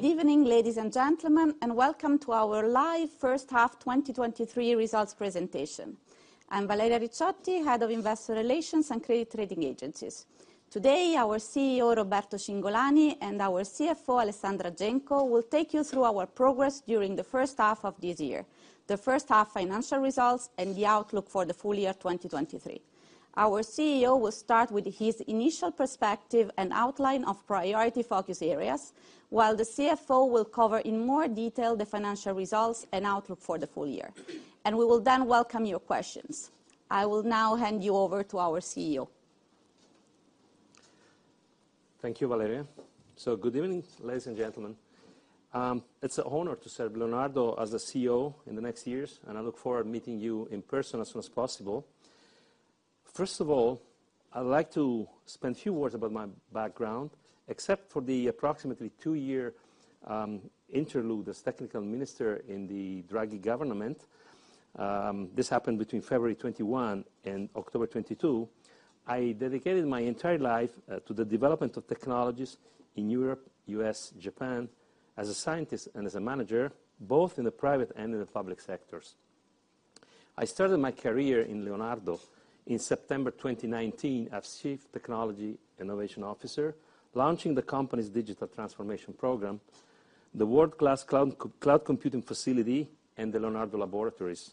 Good evening, ladies and gentlemen, and welcome to our live first half 2023 results presentation. I'm Valeria Ricciotti, Head of Investor Relations and Credit Rating Agencies. Today, our CEO, Roberto Cingolani, and our CFO, Alessandra Genco, will take you through our progress during the first half of this year, the first half financial results, and the outlook for the full year 2023. Our CEO will start with his initial perspective and outline of priority focus areas, while the CFO will cover in more detail the financial results and outlook for the full year, and we will then welcome your questions. I will now hand you over to our CEO. Thank you, Valeria. Good evening, ladies and gentlemen. It's an honor to serve Leonardo as a CEO in the next years, and I look forward to meeting you in person as soon as possible. First of all, I'd like to spend a few words about my background, except for the approximately 2-year interlude as technical minister in the Draghi government, this happened between February 2021 and October 2022. I dedicated my entire life to the development of technologies in Europe, U.S., Japan, as a scientist and as a manager, both in the private and in the public sectors. I started my career in Leonardo in September 2019 as Chief Technology Innovation Officer, launching the company's digital transformation program, the world-class cloud, cloud computing facility, and the Leonardo Laboratories.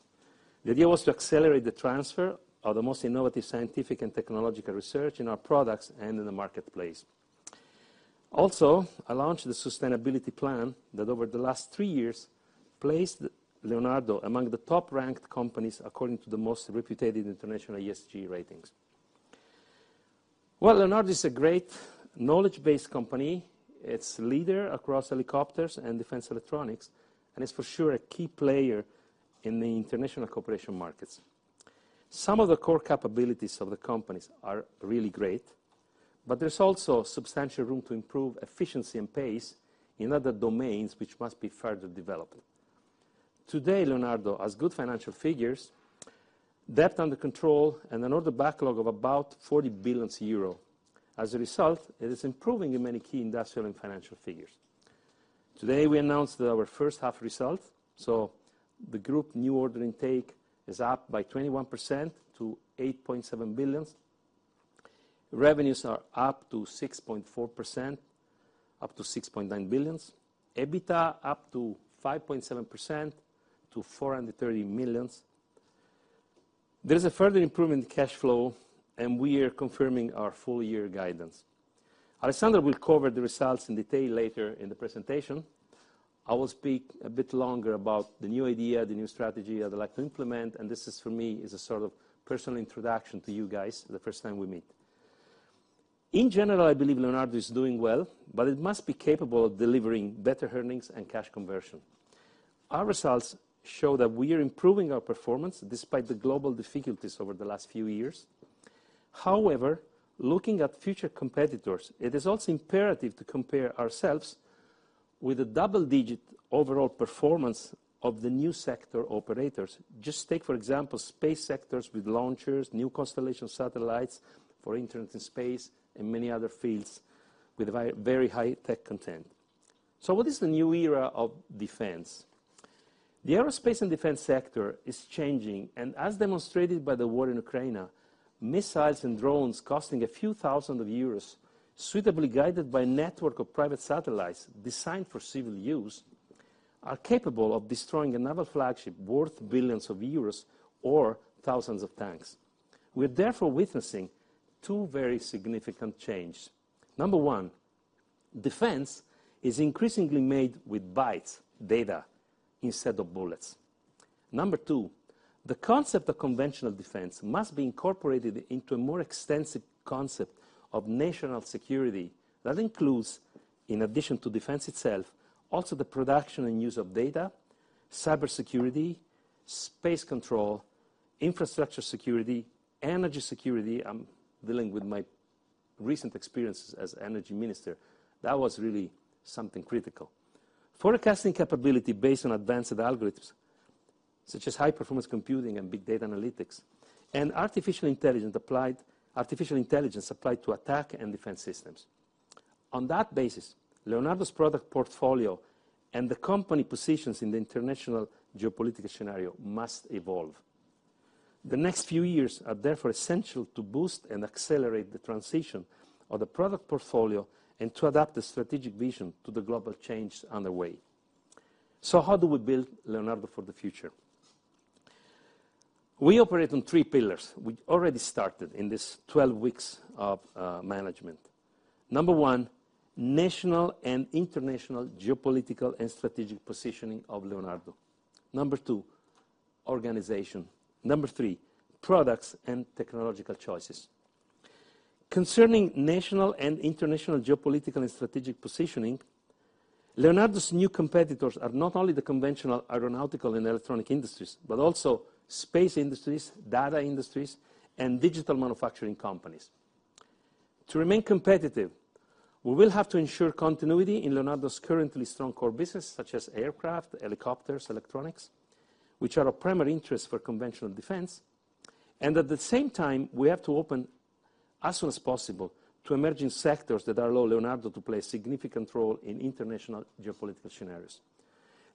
The idea was to accelerate the transfer of the most innovative, scientific, and technological research in our products and in the marketplace. I launched the sustainability plan that, over the last three years, placed Leonardo among the top-ranked companies, according to the most reputable international ESG ratings. Leonardo is a great knowledge-based company. It's leader across helicopters and defense electronics, and it's for sure a key player in the international cooperation markets. Some of the core capabilities of the companies are really great, but there's also substantial room to improve efficiency and pace in other domains, which must be further developed. Today, Leonardo has good financial figures, debt under control, and an order backlog of about 40 billion euro. As a result, it is improving in many key industrial and financial figures. Today, we announced our first half result. The group new order intake is up by 21% to 8.7 billion. Revenues are up to 6.4%, up to 6.9 billion. EBITDA, up to 5.7% to 430 million. There is a further improvement in cash flow. We are confirming our full year guidance. Alessandra will cover the results in detail later in the presentation. I will speak a bit longer about the new idea, the new strategy I'd like to implement. This is, for me, is a sort of personal introduction to you guys, the first time we meet. In general, I believe Leonardo is doing well, but it must be capable of delivering better earnings and cash conversion. Our results show that we are improving our performance despite the global difficulties over the last few years. Looking at future competitors, it is also imperative to compare ourselves with a double-digit overall performance of the new sector operators. Just take, for example, space sectors with launchers, new constellation satellites for internet and space, and many other fields with very high tech content. What is the new era of defense? The aerospace and defense sector is changing, and as demonstrated by the war in Ukraine, missiles and drones costing a few thousand EUR, suitably guided by a network of private satellites designed for civil use, are capable of destroying a naval flagship worth billions of EUR or thousands of tanks. We're therefore witnessing two very significant changes. Number one, defense is increasingly made with bytes, data, instead of bullets. Number two, the concept of conventional defense must be incorporated into a more extensive concept of national security. That includes, in addition to defense itself, also the production and use of data, cybersecurity, space control, infrastructure security, energy security, I'm dealing with my recent experiences as energy minister. That was really something critical. Forecasting capability based on advanced algorithms, such as high-performance computing and big data analytics, and artificial intelligence applied to attack and defense systems. On that basis, Leonardo's product portfolio and the company positions in the international geopolitical scenario must evolve. The next few years are therefore essential to boost and accelerate the transition of the product portfolio and to adapt the strategic vision to the global change underway. How do we build Leonardo for the future? We operate on three pillars. We already started in this 12 weeks of management. Number one, national and international geopolitical and strategic positioning of Leonardo. Number two, organization. Number three, products and technological choices. Concerning national and international geopolitical and strategic positioning, Leonardo's new competitors are not only the conventional aeronautical and electronic industries, but also space industries, data industries, and digital manufacturing companies. To remain competitive, we will have to ensure continuity in Leonardo's currently strong core business, such as aircraft, helicopters, electronics, which are of primary interest for conventional defense. At the same time, we have to open as soon as possible to emerging sectors that allow Leonardo to play a significant role in international geopolitical scenarios.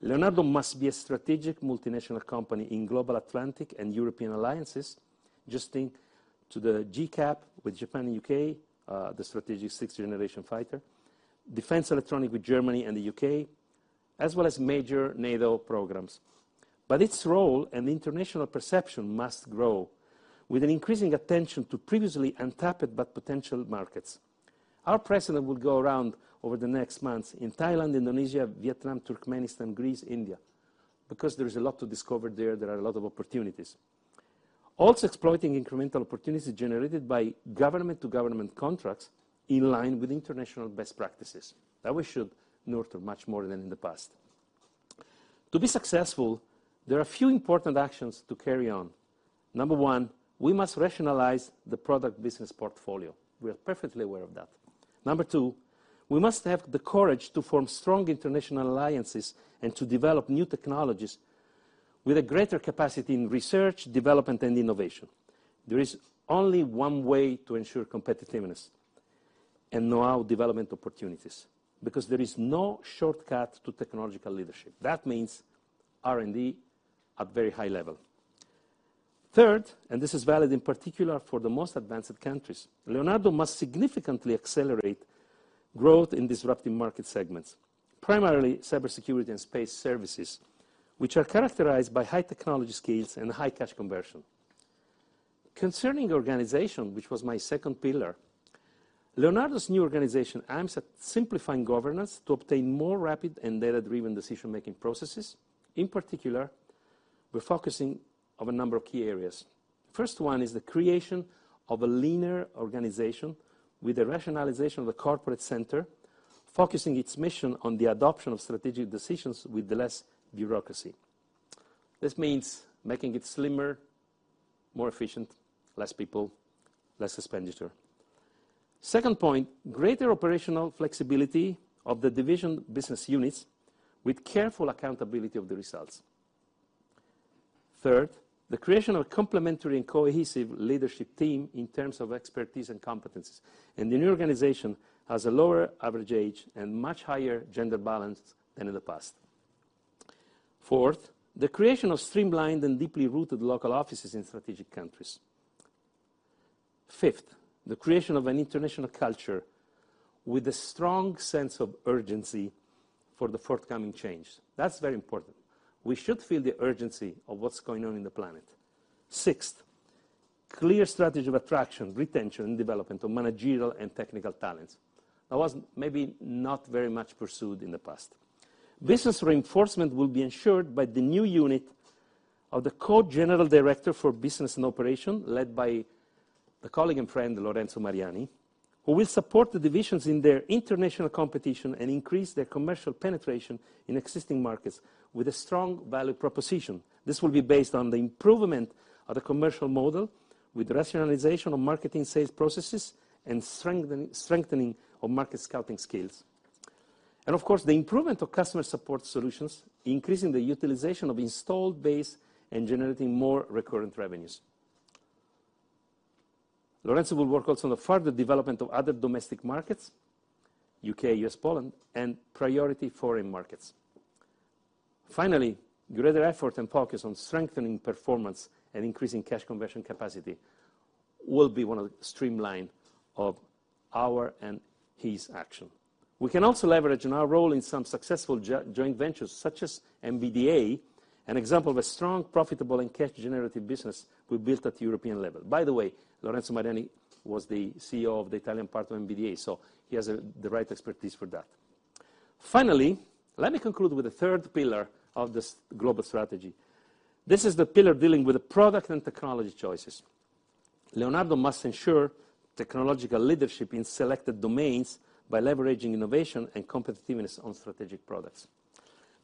Leonardo must be a strategic multinational company in global Atlantic and European alliances. Just think to the GCAP with Japan and U.K., the strategic 6th generation fighter, defense electronic with Germany and the U.K., as well as major NATO programs. Its role and international perception must grow, with an increasing attention to previously untapped but potential markets. Our president will go around over the next months in Thailand, Indonesia, Vietnam, Turkmenistan, Greece, India, because there is a lot to discover there, there are a lot of opportunities. Exploiting incremental opportunities generated by government-to-government contracts in line with international best practices. We should nurture much more than in the past. To be successful, there are a few important actions to carry on. Number one, we must rationalize the product business portfolio. We are perfectly aware of that. Number two, we must have the courage to form strong international alliances and to develop new technologies with a greater capacity in research, development, and innovation. There is only one way to ensure competitiveness and know-how development opportunities, because there is no shortcut to technological leadership. That means R&D at very high level. Third, this is valid in particular for the most advanced countries, Leonardo must significantly accelerate growth in disruptive market segments, primarily cybersecurity and space services, which are characterized by high technology skills and high cash conversion. Concerning organization, which was my second pillar, Leonardo's new organization aims at simplifying governance to obtain more rapid and data-driven decision-making processes. In particular, we're focusing on a number of key areas. First one is the creation of a linear organization with a rationalization of the corporate center, focusing its mission on the adoption of strategic decisions with less bureaucracy. This means making it slimmer, more efficient, less people, less expenditure. Second point, greater operational flexibility of the division business units with careful accountability of the results. Third, the creation of a complementary and cohesive leadership team in terms of expertise and competencies, the new organization has a lower average age and much higher gender balance than in the past. Fourth, the creation of streamlined and deeply rooted local offices in strategic countries. Fifth, the creation of an international culture with a strong sense of urgency for the forthcoming change. That's very important. We should feel the urgency of what's going on in the planet. Sixth, clear strategy of attraction, retention, and development of managerial and technical talents. That was maybe not very much pursued in the past. Business reinforcement will be ensured by the new unit of the Co-General Director for Business and Operation, led by a colleague and friend, Lorenzo Mariani, who will support the divisions in their international competition and increase their commercial penetration in existing markets with a strong value proposition. This will be based on the improvement of the commercial model with rationalization of marketing sales processes and strengthening of market scouting skills. Of course, the improvement of customer support solutions, increasing the utilization of installed base, and generating more recurrent revenues. Lorenzo will work also on the further development of other domestic markets, U.K., U.S., Poland, and priority foreign markets. Finally, greater effort and focus on strengthening performance and increasing cash conversion capacity will be one of the streamline of our and his action. We can also leverage in our role in some successful joint ventures, such as MBDA, an example of a strong, profitable, and cash generative business we built at the European level. By the way, Lorenzo Mariani was the CEO of the Italian part of MBDA, so he has the right expertise for that. Finally, let me conclude with the third pillar of this global strategy. This is the pillar dealing with the product and technology choices. Leonardo must ensure technological leadership in selected domains by leveraging innovation and competitiveness on strategic products.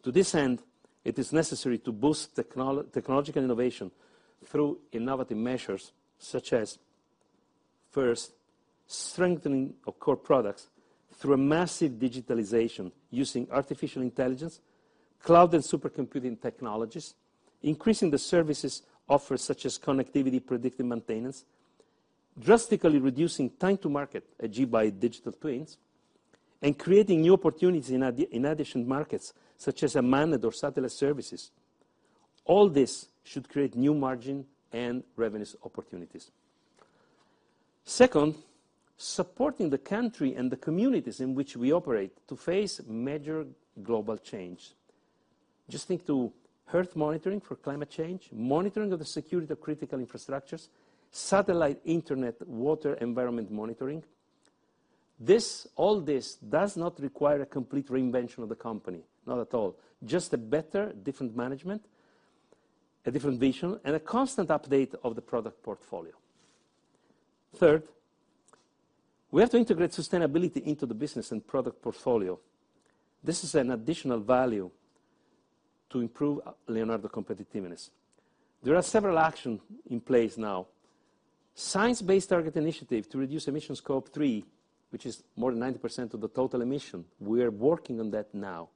To this end, it is necessary to boost technological innovation through innovative measures, such as, first, strengthening of core products through a massive digitalization using artificial intelligence, cloud and supercomputing technologies, increasing the services offered, such as connectivity, predictive maintenance, drastically reducing time to market, achieved by digital twins, and creating new opportunities in addition markets, such as unmanned or satellite services. All this should create new margin and revenues opportunities. Second, supporting the country and the communities in which we operate to face major global change. Just think to health monitoring for climate change, monitoring of the security of critical infrastructures, satellite, internet, water, environment monitoring. This, all this does not require a complete reinvention of the company, not at all. Just a better, different management, a different vision, and a constant update of the product portfolio. Third, we have to integrate sustainability into the business and product portfolio. This is an additional value to improve Leonardo competitiveness. There are several action in place now. Science Based Targets initiative to reduce emission Scope 3, which is more than 90% of the total emission, we are working on that now.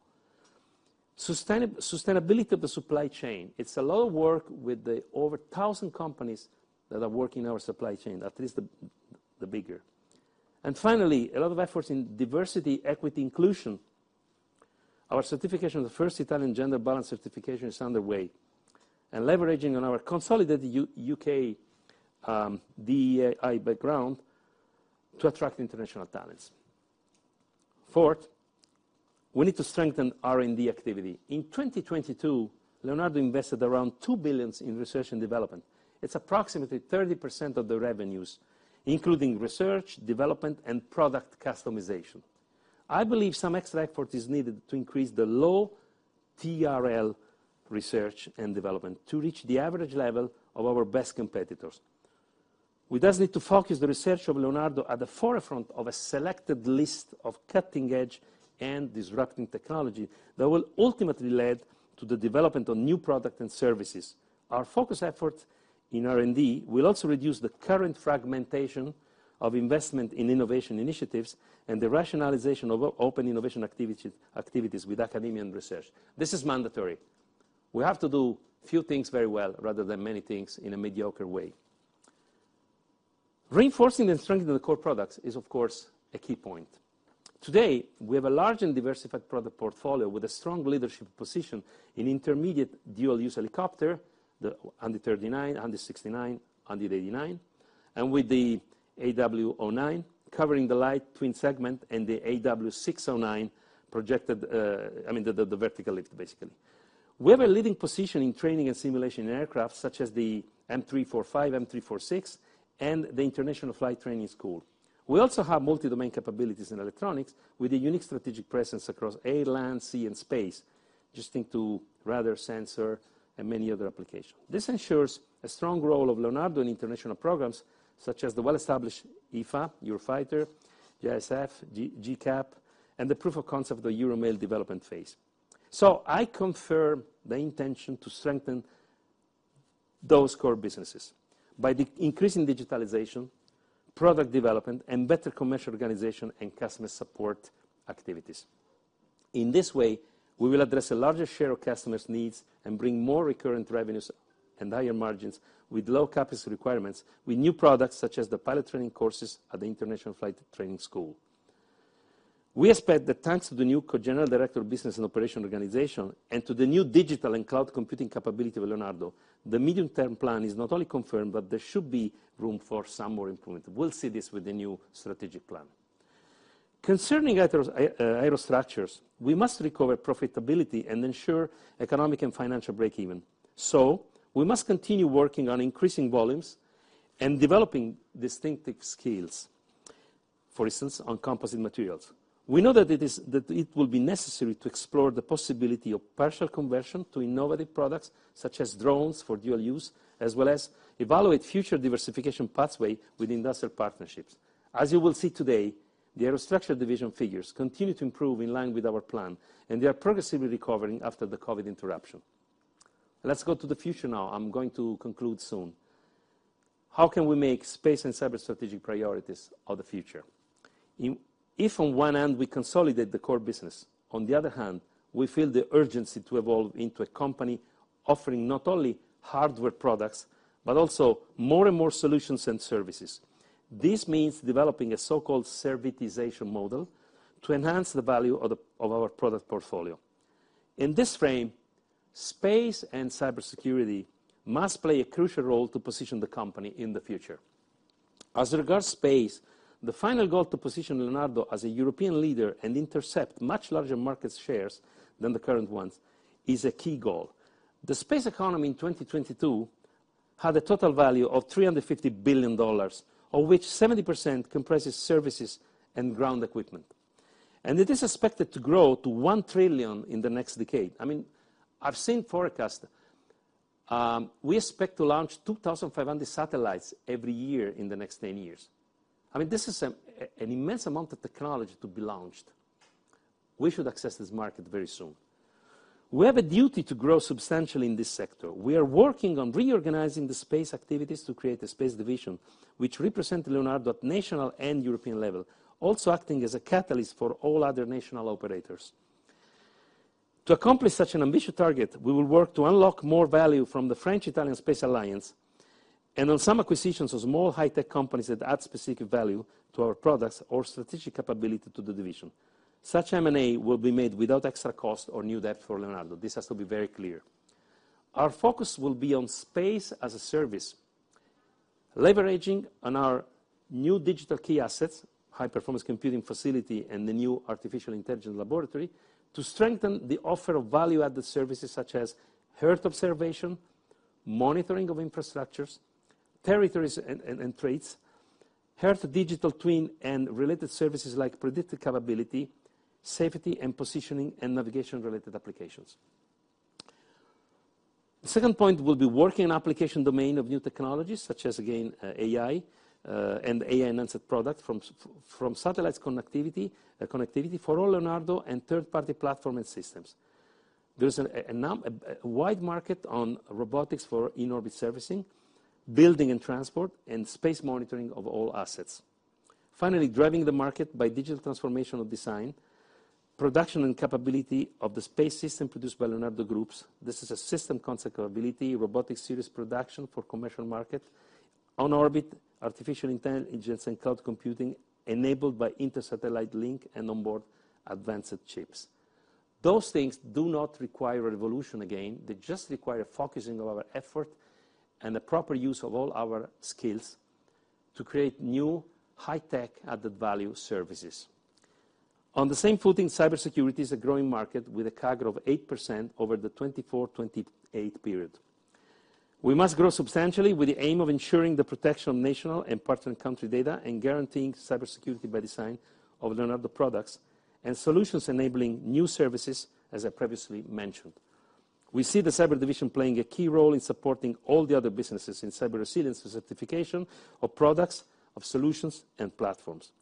sustainability of the supply chain. It's a lot of work with the over 1,000 companies that are working in our supply chain, at least the bigger. Finally, a lot of efforts in diversity, equity, inclusion. Our certification, the first Italian gender balance certification, is underway, and leveraging on our consolidated U.K. DEI background to attract international talents. Fourth, we need to strengthen R&D activity. In 2022, Leonardo invested around 2 billion in research and development. It's approximately 30% of the revenues, including research, development, and product customization. I believe some extra effort is needed to increase the low TRL research and development to reach the average level of our best competitors. We thus need to focus the research of Leonardo at the forefront of a selected list of cutting-edge and disrupting technology that will ultimately lead to the development of new product and services. Our focus effort in R&D will also reduce the current fragmentation of investment in innovation initiatives and the rationalization of open innovation activities with academia and research. This is mandatory. We have to do few things very well, rather than many things in a mediocre way. Reinforcing and strengthening the core products is, of course, a key point. Today, we have a large and diversified product portfolio with a strong leadership position in intermediate dual-use helicopter, the AW139, AW169, AW189, and with the AW09, covering the light twin segment and the AW609 projected, I mean, the, the, the vertical lift, basically. We have a leading position in training and simulation aircraft, such as the M-345, M-346, and the International Flight Training School. We also have multi-domain capabilities in electronics, with a unique strategic presence across air, land, sea, and space. Just think to radar sensor and many other applications. This ensures a strong role of Leonardo in international programs, such as the well-established EFA, Eurofighter, JSF, GCAP, and the proof of concept of the EuroMALE development phase. I confirm the intention to strengthen those core businesses by increasing digitalization, product development, and better commercial organization and customer support activities. In this way, we will address a larger share of customers' needs and bring more recurrent revenues and higher margins with low CapEx requirements, with new products such as the pilot training courses at the International Flight Training School. We expect that thanks to the new Co-General Director of Business and Operation organization and to the new digital and cloud computing capability of Leonardo, the medium-term plan is not only confirmed, but there should be room for some more improvement. We'll see this with the new strategic plan. Concerning aerostructures, we must recover profitability and ensure economic and financial break-even. We must continue working on increasing volumes and developing distinctive skills, for instance, on composite materials. We know that it will be necessary to explore the possibility of partial conversion to innovative products, such as drones for dual use, as well as evaluate future diversification pathway with industrial partnerships. As you will see today, the aerostructure division figures continue to improve in line with our plan. They are progressively recovering after the COVID interruption. Let's go to the future now. I'm going to conclude soon. How can we make space and cyber strategic priorities of the future? If on one hand, we consolidate the core business, on the other hand, we feel the urgency to evolve into a company offering not only hardware products, but also more and more solutions and services. This means developing a so-called servitization model to enhance the value of our product portfolio. In this frame, space and cybersecurity must play a crucial role to position the company in the future. As regards space, the final goal to position Leonardo as a European leader and intercept much larger market shares than the current ones is a key goal. The space economy in 2022 had a total value of $350 billion, of which 70% comprises services and ground equipment, and it is expected to grow to $1 trillion in the next decade. I mean, I've seen forecast, we expect to launch 2,500 satellites every year in the next 10 years. I mean, this is an immense amount of technology to be launched. We should access this market very soon. We have a duty to grow substantially in this sector. We are working on reorganizing the space activities to create a space division, which represent Leonardo at national and European level, also acting as a catalyst for all other national operators. To accomplish such an ambitious target, we will work to unlock more value from the French-Italian Space Alliance and on some acquisitions of small, high-tech companies that add specific value to our products or strategic capability to the division. Such M&A will be made without extra cost or new debt for Leonardo. This has to be very clear. Our focus will be on space as a service, leveraging on our new digital key assets, high-performance computing facility, and the new artificial intelligence laboratory, to strengthen the offer of value-added services such as earth observation, monitoring of infrastructures, territories and threats, earth digital twin, and related services like predictive capability, safety and positioning, and navigation-related applications. The second point will be working on application domain of new technologies, such as, again, AI, and AI-enhanced product from satellites connectivity, connectivity for all Leonardo and third-party platform and systems. There's a wide market on robotics for in-orbit servicing, building and transport, and space monitoring of all assets. Finally, driving the market by digital transformation of design, production, and capability of the space system produced by Leonardo groups. This is a system concept ability, robotic series production for commercial market, on orbit, artificial intelligence, and cloud computing enabled by intersatellite link and onboard advanced chips. Those things do not require revolution again. They just require focusing of our effort and the proper use of all our skills to create new, high-tech, added-value services. On the same footing, cybersecurity is a growing market with a CAGR of 8% over the 2024-2028 period. We must grow substantially with the aim of ensuring the protection of national and partner country data, and guaranteeing cybersecurity by design of Leonardo products, and solutions enabling new services, as I previously mentioned. We see the cyber division playing a key role in supporting all the other businesses in cyber resilience and certification of products, of solutions, and platforms.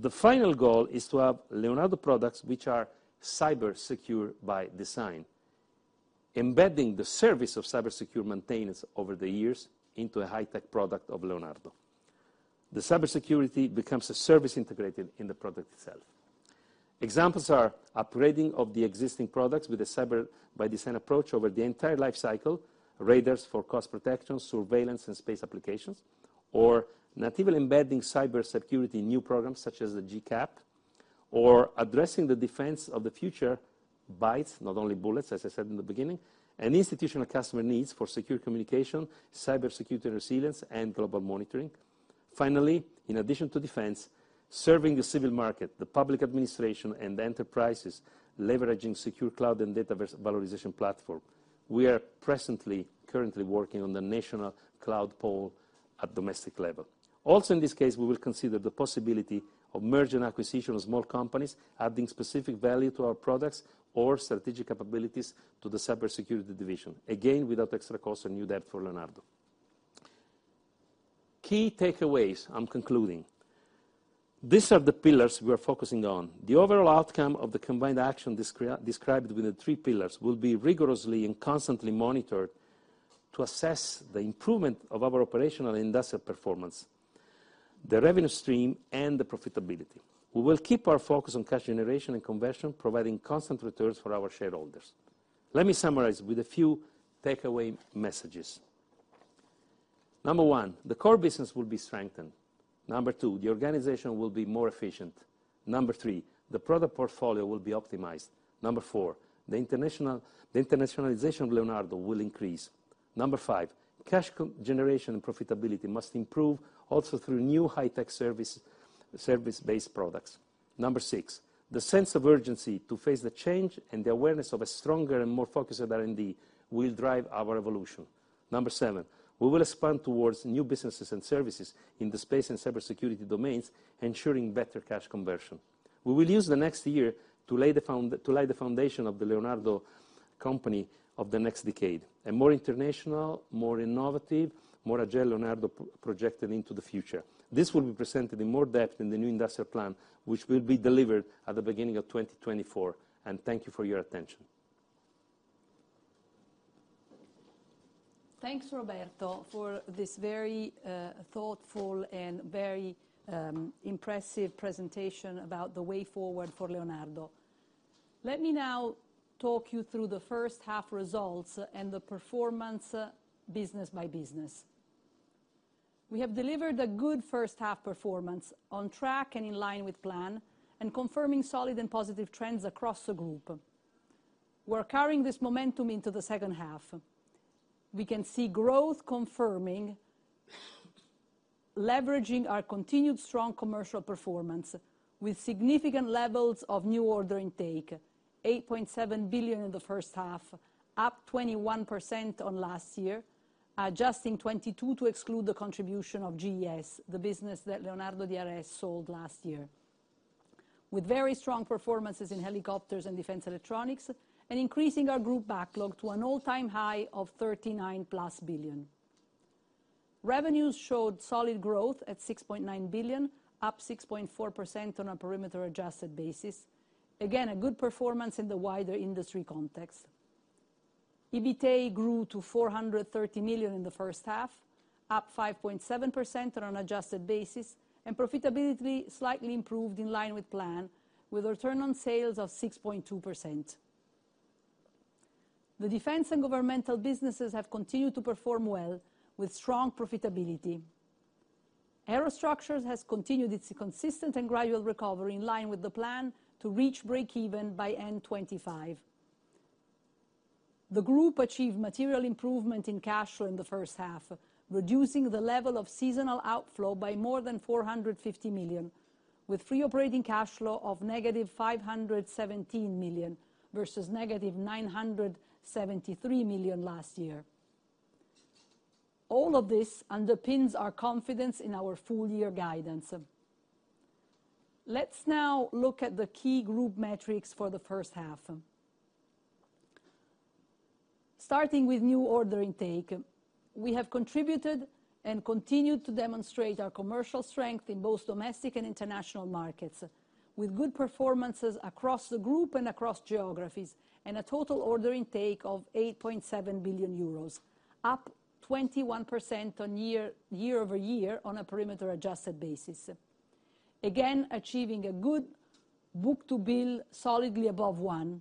The final goal is to have Leonardo products which are cyber secure by design, embedding the service of cyber secure maintenance over the years into a high-tech product of Leonardo. The cybersecurity becomes a service integrated in the product itself. Examples are upgrading of the existing products with a cyber by design approach over the entire life cycle, radars for coast protection, surveillance, and space applications, or natively embedding cybersecurity in new programs such as the GCAP, or addressing the defense of the future, bytes, not only bullets, as I said in the beginning, and institutional customer needs for secure communication, cybersecurity resilience, and global monitoring. In addition to defense, serving the civil market, the public administration, and enterprises, leveraging secure cloud and data valorization platform. We are presently currently working on the national cloud pool at domestic level. In this case, we will consider the possibility of merger and acquisition of small companies, adding specific value to our products or strategic capabilities to the cybersecurity division. Without extra cost or new debt for Leonardo. Key takeaways, I'm concluding. These are the pillars we are focusing on. The overall outcome of the combined action described within the 3 pillars will be rigorously and constantly monitored to assess the improvement of our operational and industrial performance, the revenue stream, and the profitability. We will keep our focus on cash generation and conversion, providing constant returns for our shareholders. Let me summarize with a few takeaway messages. Number one, the core business will be strengthened. Number two, the organization will be more efficient. Number three, the product portfolio will be optimized. Number four, the internationalization of Leonardo will increase. Number five, cash generation and profitability must improve also through new high-tech service-based products. Number six, the sense of urgency to face the change and the awareness of a stronger and more focused R&D will drive our evolution. Number 7, we will expand towards new businesses and services in the space and cybersecurity domains, ensuring better cash conversion. We will use the next year to lay the foundation of the Leonardo company of the next decade, a more international, more innovative, more agile Leonardo projected into the future. This will be presented in more depth in the new industrial plan, which will be delivered at the beginning of 2024. Thank you for your attention. Thanks, Roberto, for this very thoughtful and very impressive presentation about the way forward for Leonardo. Let me now talk you through the first half results and the performance, business by business. We have delivered a good first half performance, on track and in line with plan, and confirming solid and positive trends across the group. We are carrying this momentum into the second half. We can see growth confirming, leveraging our continued strong commercial performance with significant levels of new order intake, 8.7 billion in the first half, up 21% on last year, adjusting 2022 to exclude the contribution of GES, the business that Leonardo DRS sold last year. With very strong performances in helicopters and defense electronics, and increasing our group backlog to an all-time high of 39+ billion. Revenues showed solid growth at 6.9 billion, up 6.4% on a perimeter adjusted basis. Again, a good performance in the wider industry context. EBITA grew to 430 million in the first half, up 5.7% on an adjusted basis, and profitability slightly improved in line with plan, with a Return on Sales of 6.2%. The defense and governmental businesses have continued to perform well with strong profitability. Aerostructures has continued its consistent and gradual recovery in line with the plan to reach breakeven by end 2025. The group achieved material improvement in cash flow in the first half, reducing the level of seasonal outflow by more than 450 million, with Free Operating Cash Flow of negative 517 million, versus negative 973 million last year. All of this underpins our confidence in our full year guidance. Let's now look at the key group metrics for the first half. Starting with new order intake, we have contributed and continued to demonstrate our commercial strength in both domestic and international markets, with good performances across the group and across geographies, and a total order intake of 8.7 billion euros, up 21% on year, year-over-year on a perimeter adjusted basis. Achieving a good book-to-bill solidly above one.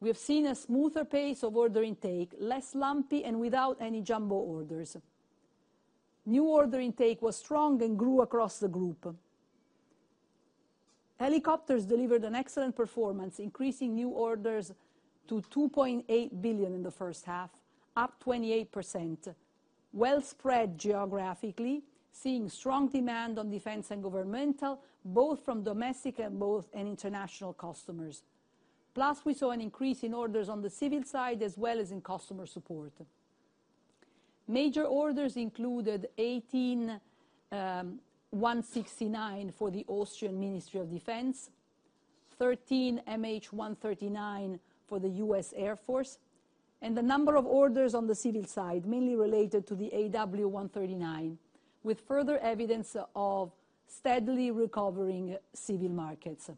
We have seen a smoother pace of order intake, less lumpy and without any jumbo orders. New order intake was strong and grew across the group. Helicopters delivered an excellent performance, increasing new orders to 2.8 billion in the first half, up 28%. Well-spread geographically, seeing strong demand on defense and governmental, both from domestic and international customers. Plus, we saw an increase in orders on the civil side, as well as in customer support. Major orders included 18 AW169 for the Austrian Ministry of Defence, 13 MH-139 for the United States Air Force, and a number of orders on the civil side, mainly related to the AW139, with further evidence of steadily recovering civil markets.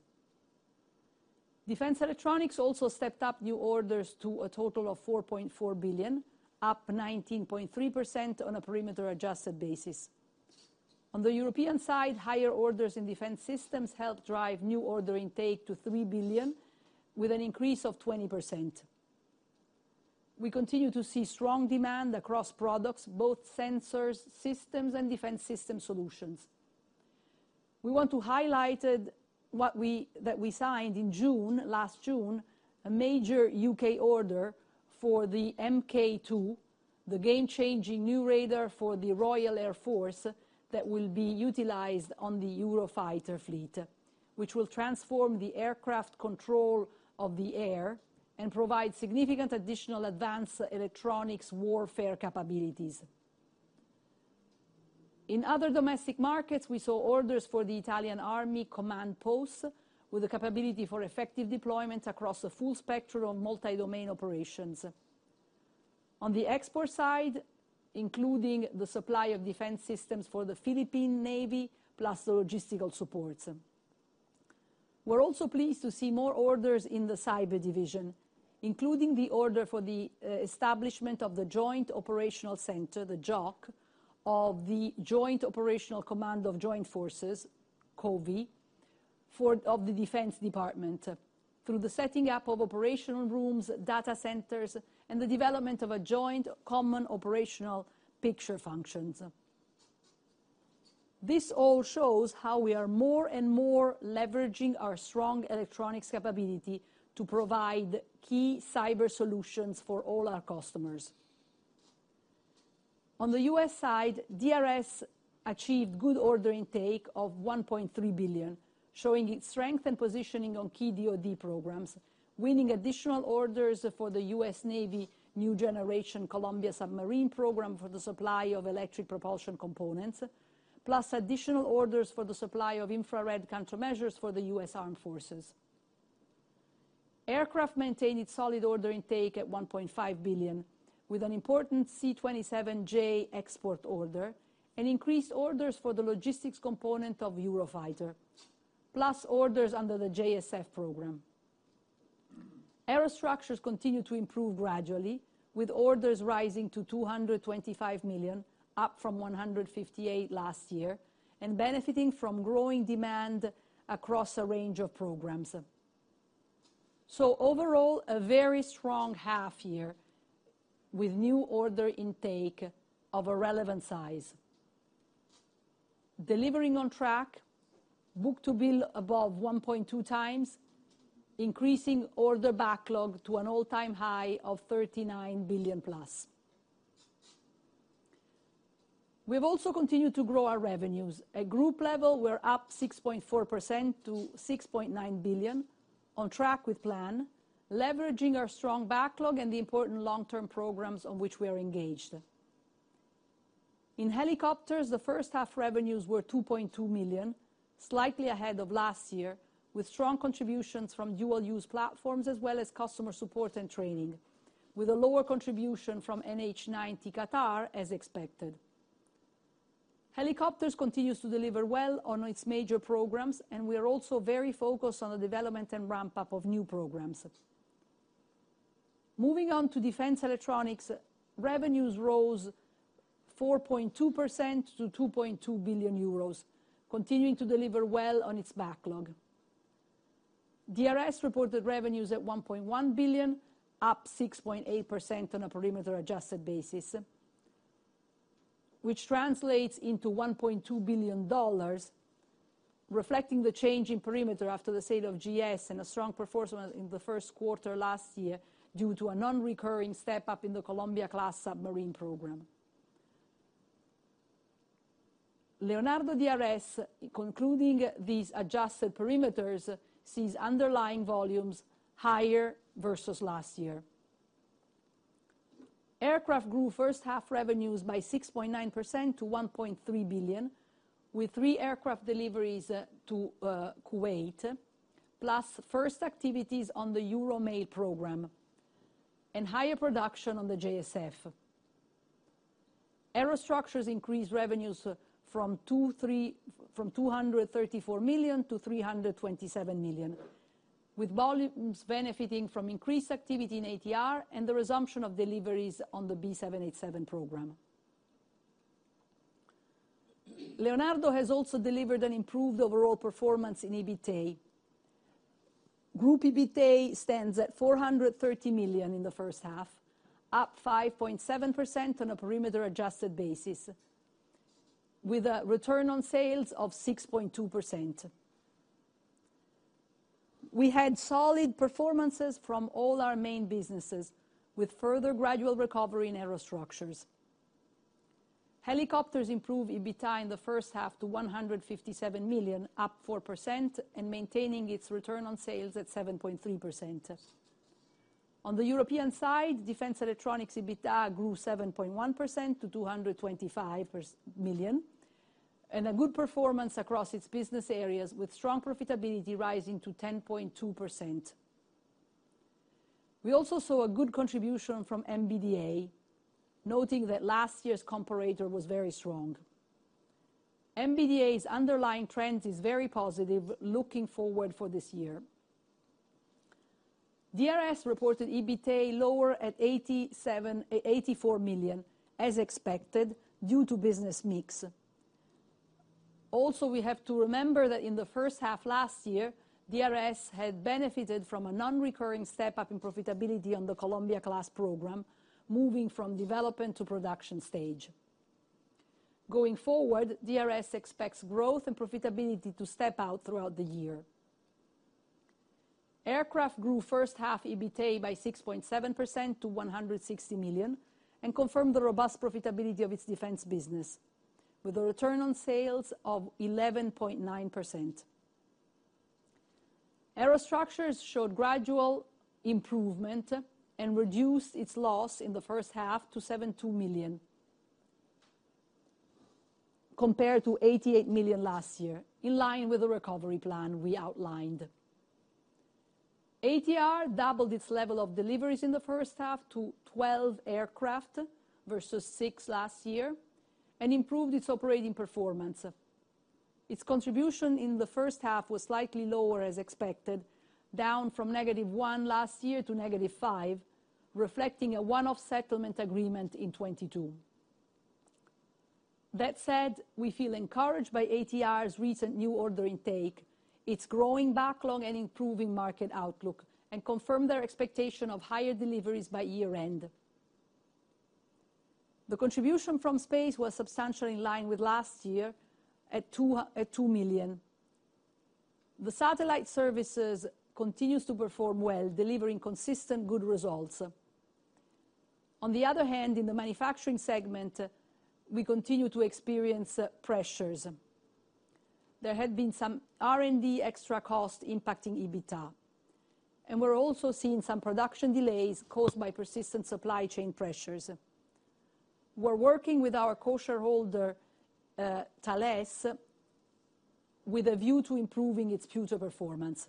Defence Electronics also stepped up new orders to a total of $4.4 billion, up 19.3% on a perimeter adjusted basis. On the European side, higher orders in Defence Systems helped drive new order intake to $3 billion, with an increase of 20%. We continue to see strong demand across products, both sensors, systems and Defence System solutions. We want to highlighted that we signed in June, last June, a major UK order for the Mk2, the game-changing new radar for the Royal Air Force, that will be utilized on the Eurofighter fleet, which will transform the aircraft control of the air and provide significant additional advanced electronics warfare capabilities. In other domestic markets, we saw orders for the Italian Army command posts, with a capability for effective deployment across a full spectrum of multi-domain operations. On the export side, including the supply of defense systems for the Philippine Navy, plus the logistical supports. We're also pleased to see more orders in the cyber division, including the order for the establishment of the Joint Operations Center, the JOC, of the Joint Operations Command of Joint Forces, COVI, of the Department of Defense, through the setting up of operational rooms, data centers, and the development of a joint common operational picture functions. This all shows how we are more and more leveraging our strong electronics capability to provide key cyber solutions for all our customers. On the U.S. side, DRS achieved good order intake of $1.3 billion, showing its strength and positioning on key DOD programs, winning additional orders for the U.S. Navy new generation Columbia submarine program for the supply of electric propulsion components, plus additional orders for the supply of Infrared Countermeasures for the U.S. Armed Forces. Aircraft maintained its solid order intake at 1.5 billion, with an important C-27J export order and increased orders for the logistics component of Eurofighter, plus orders under the JSF program. Aerostructures continued to improve gradually, with orders rising to 225 million, up from 158 million last year, and benefiting from growing demand across a range of programs. Overall, a very strong half year with new order intake of a relevant size. Delivering on track, book-to-bill above 1.2 times, increasing order backlog to an all-time high of 39 billion plus. We've also continued to grow our revenues. At group level, we're up 6.4% to 6.9 billion, on track with plan, leveraging our strong backlog and the important long-term programs on which we are engaged. In helicopters, the first half revenues were 2.2 million, slightly ahead of last year, with strong contributions from dual use platforms, as well as customer support and training, with a lower contribution from NH90 Qatar, as expected. Helicopters continues to deliver well on its major programs. We are also very focused on the development and ramp-up of new programs. Moving on to Defense Electronics, revenues rose 4.2% to 2.2 billion euros, continuing to deliver well on its backlog. DRS reported revenues at $1.1 billion, up 6.8% on a perimeter adjusted basis, which translates into $1.2 billion, reflecting the change in perimeter after the sale of GES and a strong performance in the first quarter last year, due to a non-recurring step-up in the Columbia-class submarine program. Leonardo DRS, concluding these adjusted perimeters, sees underlying volumes higher versus last year. Aircraft grew first half revenues by 6.9% to 1.3 billion, with 3 aircraft deliveries to Kuwait, plus first activities on the EuroMALE program and higher production on the JSF. Aerostructures increased revenues from 234 million to 327 million. with volumes benefiting from increased activity in ATR and the resumption of deliveries on the B787 program. Leonardo has also delivered an improved overall performance in EBITA. Group EBITA stands at 430 million in the first half, up 5.7% on a perimeter adjusted basis, with a Return on Sales of 6.2%. We had solid performances from all our main businesses, with further gradual recovery in Aerostructures. Helicopters improved EBITA in the first half to 157 million, up 4%, and maintaining its Return on Sales at 7.3%. On the European side, defense electronics EBITA grew 7.1% to 225 million, a good performance across its business areas, with strong profitability rising to 10.2%. We also saw a good contribution from MBDA, noting that last year's comparator was very strong. MBDA's underlying trend is very positive looking forward for this year. DRS reported EBITA lower at 84 million, as expected, due to business mix. We have to remember that in the first half last year, DRS had benefited from a non-recurring step-up in profitability on the Columbia Class program, moving from development to production stage. Going forward, DRS expects growth and profitability to step out throughout the year. Aircraft grew first half EBITA by 6.7% to 160 million, and confirmed the robust profitability of its defense business, with a Return on Sales of 11.9%. Aerostructures showed gradual improvement and reduced its loss in the first half to 72 million, compared to 88 million last year, in line with the recovery plan we outlined. ATR doubled its level of deliveries in the first half to 12 aircraft versus 6 last year, and improved its operating performance. Its contribution in the first half was slightly lower, as expected, down from negative 1 million last year to negative 5 million, reflecting a one-off settlement agreement in 2022. That said, we feel encouraged by ATR's recent new order intake, its growing backlog and improving market outlook, and confirm their expectation of higher deliveries by year-end. The contribution from space was substantially in line with last year, at 2 million. The satellite services continues to perform well, delivering consistent good results. On the other hand, in the manufacturing segment, we continue to experience pressures. There had been some R&D extra cost impacting EBITA. We're also seeing some production delays caused by persistent supply chain pressures. We're working with our co-shareholder, Thales, with a view to improving its future performance.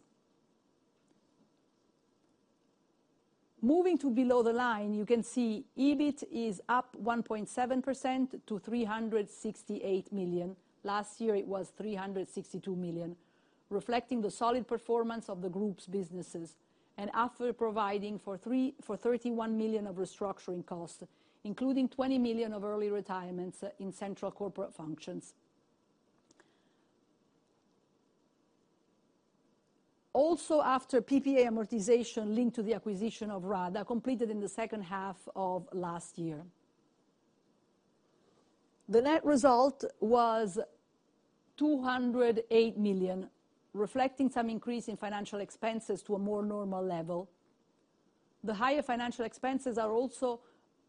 Moving to below the line, you can see EBIT is up 1.7% to 368 million. Last year, it was 362 million, reflecting the solid performance of the group's businesses, after providing for 31 million of restructuring costs, including 20 million of early retirements in central corporate functions. After PPA amortization linked to the acquisition of RADA, completed in the second half of last year. The net result was 208 million, reflecting some increase in financial expenses to a more normal level. The higher financial expenses are also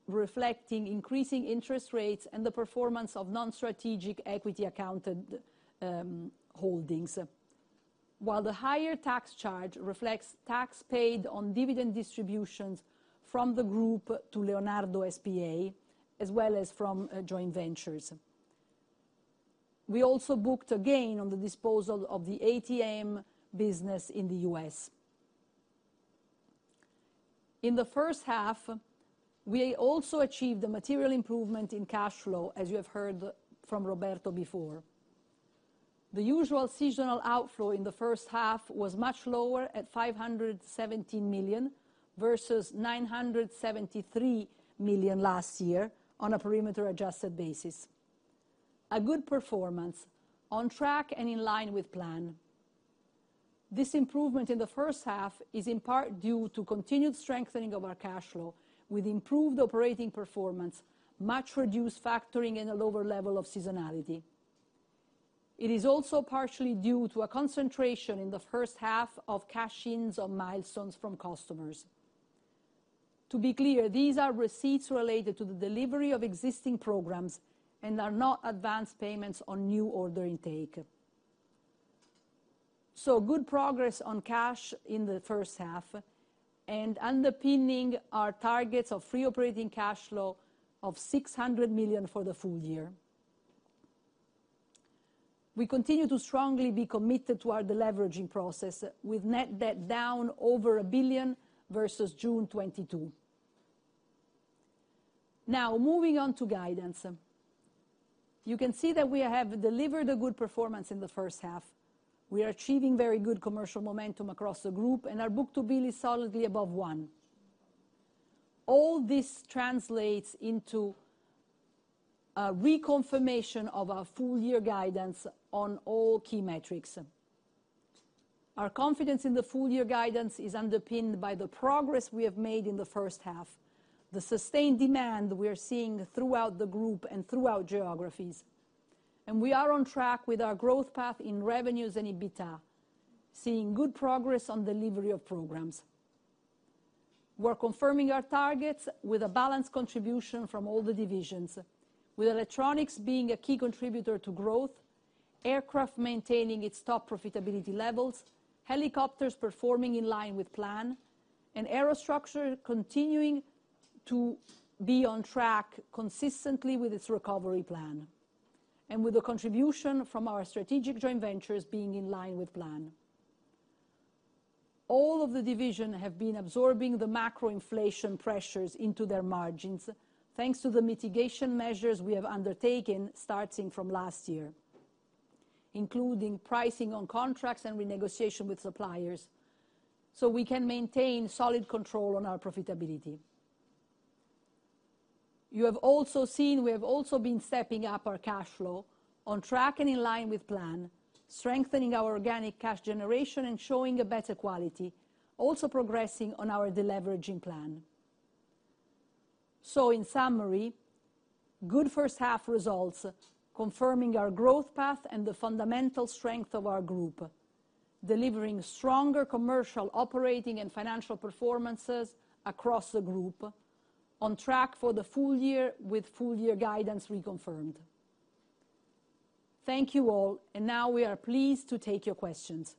reflecting increasing interest rates and the performance of non-strategic equity accounted holdings. While the higher tax charge reflects tax paid on dividend distributions from the group to Leonardo S.p.A., as well as from joint ventures. We also booked a gain on the disposal of the ATM business in the U.S. In the first half, we also achieved a material improvement in cash flow, as you have heard from Roberto before. The usual seasonal outflow in the first half was much lower, at 517 million, versus 973 million last year, on a perimeter adjusted basis. A good performance, on track and in line with plan. This improvement in the first half is in part due to continued strengthening of our cash flow, with improved operating performance, much reduced factoring and a lower level of seasonality. It is also partially due to a concentration in the first half of cash-ins on milestones from customers. To be clear, these are receipts related to the delivery of existing programs and are not advanced payments on new order intake. Good progress on cash in the first half, and underpinning our targets of free operating cash flow of 600 million for the full year. We continue to strongly be committed to our deleveraging process, with net debt down over 1 billion versus June 2022. Now, moving on to guidance. You can see that we have delivered a good performance in the first half. We are achieving very good commercial momentum across the group, and our book-to-bill is solidly above one. All this translates into a reconfirmation of our full year guidance on all key metrics. Our confidence in the full year guidance is underpinned by the progress we have made in the first half, the sustained demand we are seeing throughout the group and throughout geographies, and we are on track with our growth path in revenues and EBITDA, seeing good progress on delivery of programs. We're confirming our targets with a balanced contribution from all the divisions, with electronics being a key contributor to growth, aircraft maintaining its top profitability levels, helicopters performing in line with plan, and Aerostructure continuing to be on track consistently with its recovery plan, and with the contribution from our strategic joint ventures being in line with plan. All of the divisions have been absorbing the macro inflation pressures into their margins, thanks to the mitigation measures we have undertaken starting from last year, including pricing on contracts and renegotiation with suppliers. We can maintain solid control on our profitability. You have also seen we have also been stepping up our cash flow on track and in line with plan, strengthening our organic cash generation and showing a better quality, also progressing on our deleveraging plan. In summary, good first half results, confirming our growth path and the fundamental strength of our group, delivering stronger commercial, operating and financial performances across the group, on track for the full year with full year guidance reconfirmed. Thank you all. Now we are pleased to take your questions.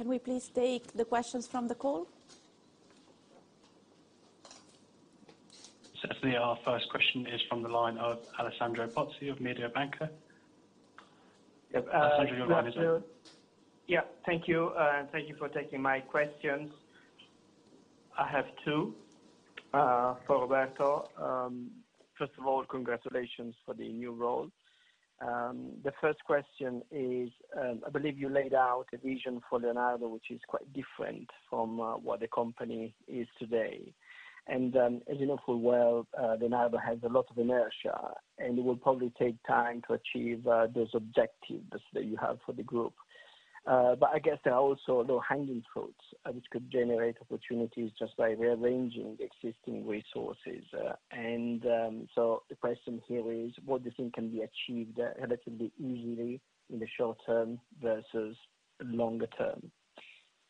Can we please take the questions from the call? Certainly. Our first question is from the line of Alessandro Pozzi of Mediobanca. Alessandro, your line is open. Yeah, thank you, and thank you for taking my questions. I have two for Roberto. First of all, congratulations for the new role. The first question is, I believe you laid out a vision for Leonardo, which is quite different from what the company is today. As you know full well, Leonardo has a lot of inertia, and it will probably take time to achieve those objectives that you have for the group. I guess there are also low-hanging fruits, which could generate opportunities just by rearranging the existing resources, and so the question here is: What do you think can be achieved relatively easily in the short term versus longer term?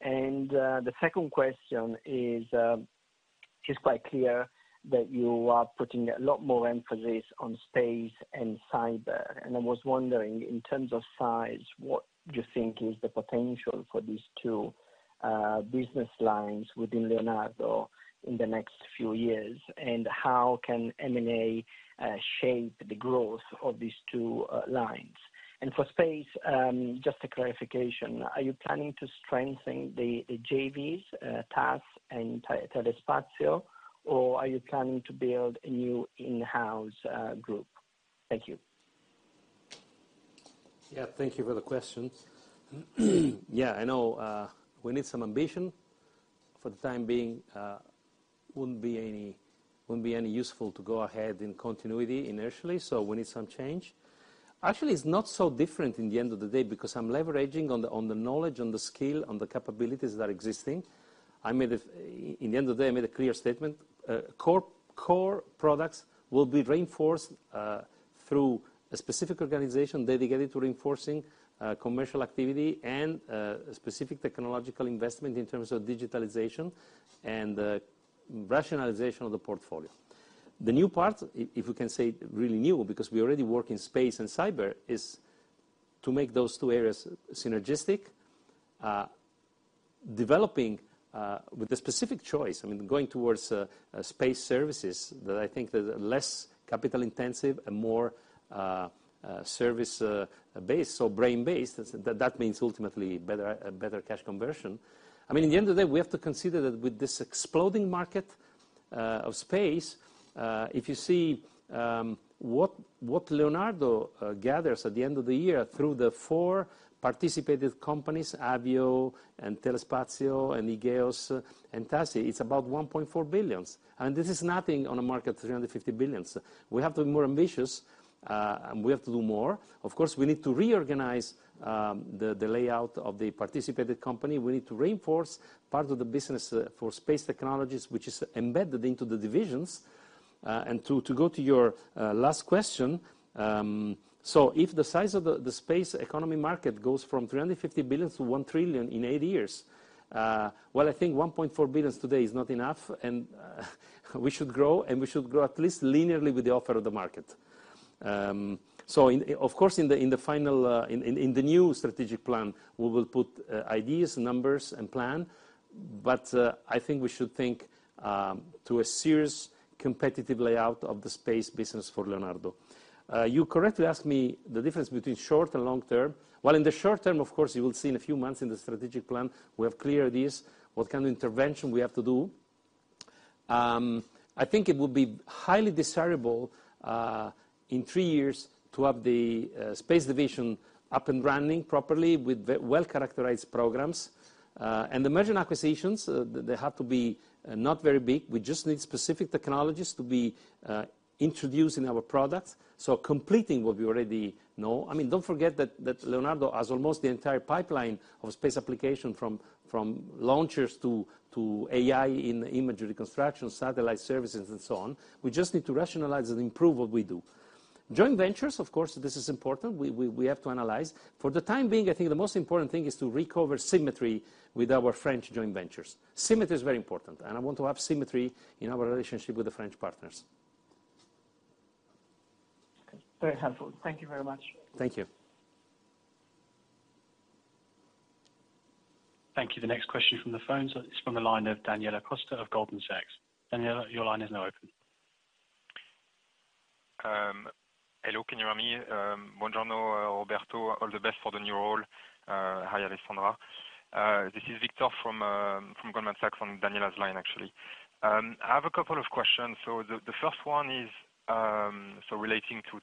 The second question is, it's quite clear that you are putting a lot more emphasis on space and cyber, and I was wondering, in terms of size, what do you think is the potential for these two business lines within Leonardo in the next few years, and how can M&A shape the growth of these two lines? For space, just a clarification, are you planning to strengthen the JVs, TAS and Thales Alenia Space, or are you planning to build a new in-house group? Thank you. Yeah, thank you for the question. Yeah, I know, we need some ambition. For the time being, wouldn't be any, wouldn't be any useful to go ahead in continuity initially, we need some change. Actually, it's not so different in the end of the day, I'm leveraging on the, on the knowledge, on the skill, on the capabilities that are existing. In the end of the day, I made a clear statement. Core, core products will be reinforced, through a specific organization dedicated to reinforcing, commercial activity and, specific technological investment in terms of digitalization and, rationalization of the portfolio. The new part, if we can say really new, because we already work in space and cyber, is to make those two areas synergistic, developing with the specific choice, I mean, going towards space services, that I think that are less capital intensive and more service based, so brain-based, that means ultimately better, better cash conversion. I mean, at the end of the day, we have to consider that with this exploding market of space, if you see, what, what Leonardo gathers at the end of the year through the four participative companies, Avio and Thales Alenia Space and e-GEOS and Telespazio, it's about 1.4 billion, and this is nothing on a market, 350 billion. We have to be more ambitious, and we have to do more. Of course, we need to reorganize the layout of the participative company. We need to reinforce part of the business for space technologies, which is embedded into the divisions. To go to your last question, so if the size of the space economy market goes from 350 billion to 1 trillion in 80 years, well, I think 1.4 billion today is not enough, and -... We should grow. We should grow at least linearly with the offer of the market. So, of course, in the final, in the new strategic plan, we will put ideas, numbers, and plan. I think we should think to a serious competitive layout of the space business for Leonardo. You correctly asked me the difference between short and long term. Well, in the short term, of course, you will see in a few months in the strategic plan, we have clear ideas what kind of intervention we have to do. I think it would be highly desirable in 3 years to have the space division up and running properly with well-characterized programs. The merger acquisitions, they have to be not very big. We just need specific technologies to be introduced in our products, so completing what we already know. I mean, don't forget that, that Leonardo has almost the entire pipeline of space application, from, from launchers to, to AI in imagery reconstruction, satellite services, and so on. We just need to rationalize and improve what we do. Joint ventures, of course, this is important. We, we, we have to analyze. For the time being, I think the most important thing is to recover symmetry with our French joint ventures. Symmetry is very important, and I want to have symmetry in our relationship with the French partners. Very helpful. Thank you very much. Thank you. Thank you. The next question from the phone is from the line of Daniela Costa of Goldman Sachs. Daniela, your line is now open. Hello, can you hear me? Buongiorno, Roberto, all the best for the new role. Hi, Alessandra. This is Viktor from Goldman Sachs, from Daniela's line, actually. I have a couple of questions. The first one is relating to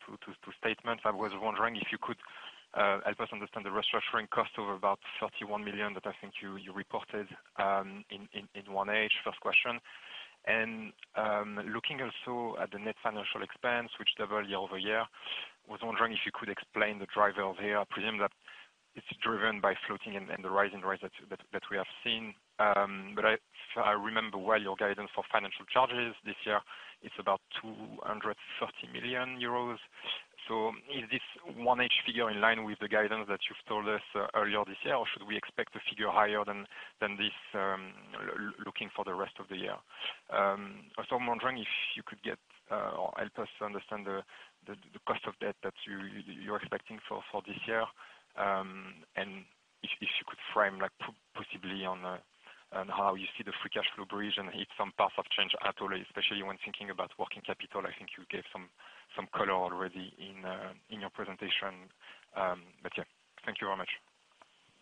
statement, I was wondering if you could help us understand the restructuring cost of about 31 million that I think you reported, first question. Looking also at the net financial expense, which doubled year-over-year, I was wondering if you could explain the driver of here. I presume that it's driven by floating and the rising rates that we have seen. I remember well your guidance for financial charges. This year, it's about 230 million euros. Is this 1 EBITA figure in line with the guidance that you've told us earlier this year, or should we expect a figure higher than this, looking for the rest of the year? Also wondering if you could get or help us to understand the cost of debt that you're expecting for this year, and if you could frame, like, possibly on how you see the free cash flow bridge, and it's some path of change at all, especially when thinking about working capital. I think you gave some color already in your presentation. Yeah, thank you very much.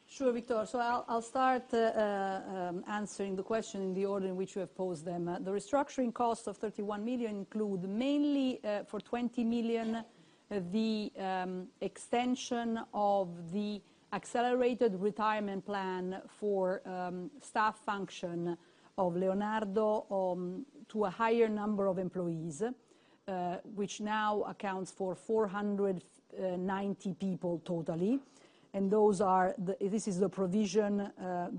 Sure, Viktor. I'll, I'll start answering the question in the order in which you have posed them. The restructuring cost of 31 million include mainly, for 20 million, the extension of the accelerated retirement plan for staff function of Leonardo to a higher number of employees, which now accounts for 490 people totally. This is the provision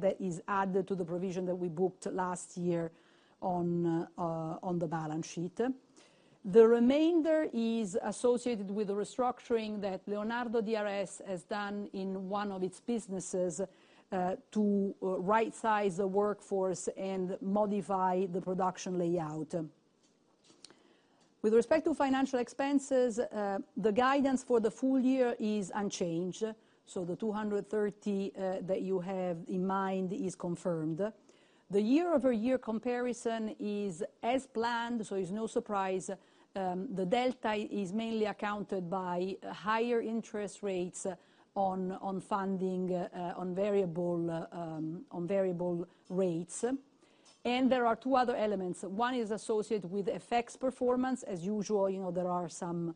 that is added to the provision that we booked last year on the balance sheet. The remainder is associated with the restructuring that Leonardo DRS has done in one of its businesses to rightsize the workforce and modify the production layout. With respect to financial expenses, the guidance for the full year is unchanged, so the 230 that you have in mind is confirmed. The year-over-year comparison is as planned, so it's no surprise. The delta is mainly accounted by higher interest rates on, on funding, on variable, on variable rates. There are two other elements. One is associated with FX performance. As usual, there are some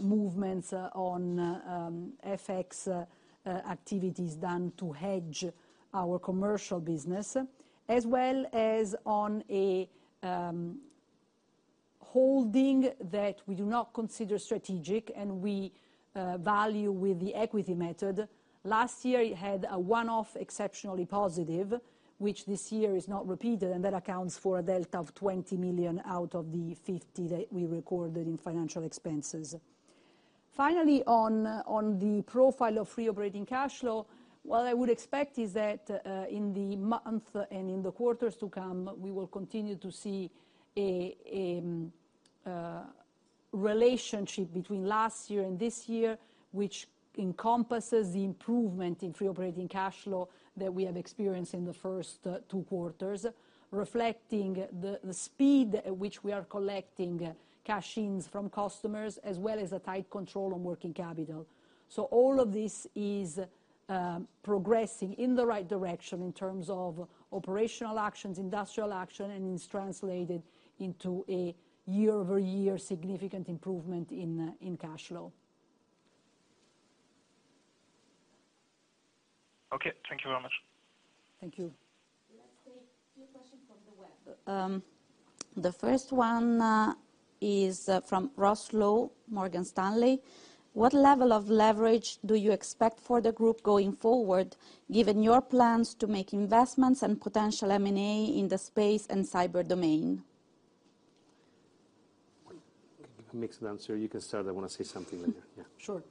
movements on FX activities done to hedge our commercial business, as well as on a holding that we do not consider strategic, and we value with the equity method. Last year, it had a one-off exceptionally positive, which this year is not repeated, and that accounts for a delta of 20 million out of the 50 that we recorded in financial expenses. Finally, on, on the profile of Free Operating Cash Flow, what I would expect is that, in the month and in the quarters to come, we will continue to see a relationship between last year and this year, which encompasses the improvement in Free Operating Cash Flow that we have experienced in the first two quarters, reflecting the speed at which we are collecting cash-ins from customers, as well as a tight control on working capital. All of this is progressing in the right direction in terms of operational actions, industrial action, and it's translated into a year-over-year significant improvement in cash flow. Okay. Thank you very much. Thank you. Let's take a few questions from the web. The first one is from Rosie Poser, Morgan Stanley. What level of leverage do you expect for the group going forward, given your plans to make investments and potential M&A in the space and cyber domain? A mixed answer. You can start, I want to say something later. Yeah. Sure.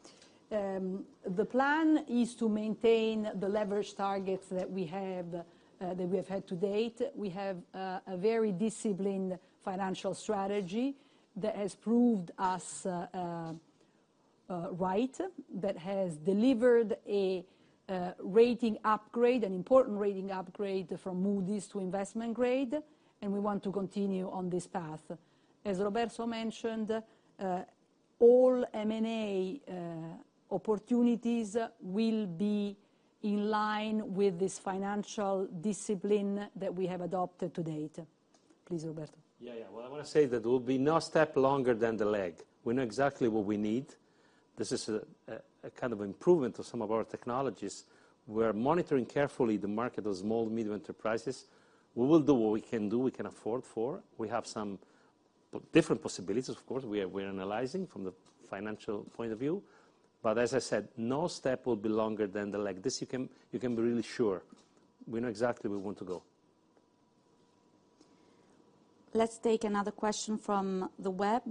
The plan is to maintain the leverage targets that we have that we have had to date. We have a very disciplined financial strategy that has proved us right, that has delivered a rating upgrade, an important rating upgrade from Moody's to investment grade, and we want to continue on this path. As Roberto mentioned, all M&A opportunities will be in line with this financial discipline that we have adopted to date. Please, Roberto. Yeah, yeah. Well, I want to say that there will be no step longer than the leg. We know exactly what we need. This is a kind of improvement to some of our technologies. We're monitoring carefully the market of small and medium enterprises. We will do what we can do, we can afford for. We have some different possibilities, of course, we're analyzing from the financial point of view, but as I said, no step will be longer than the leg. This you can, you can be really sure. We know exactly where we want to go. Let's take another question from the web.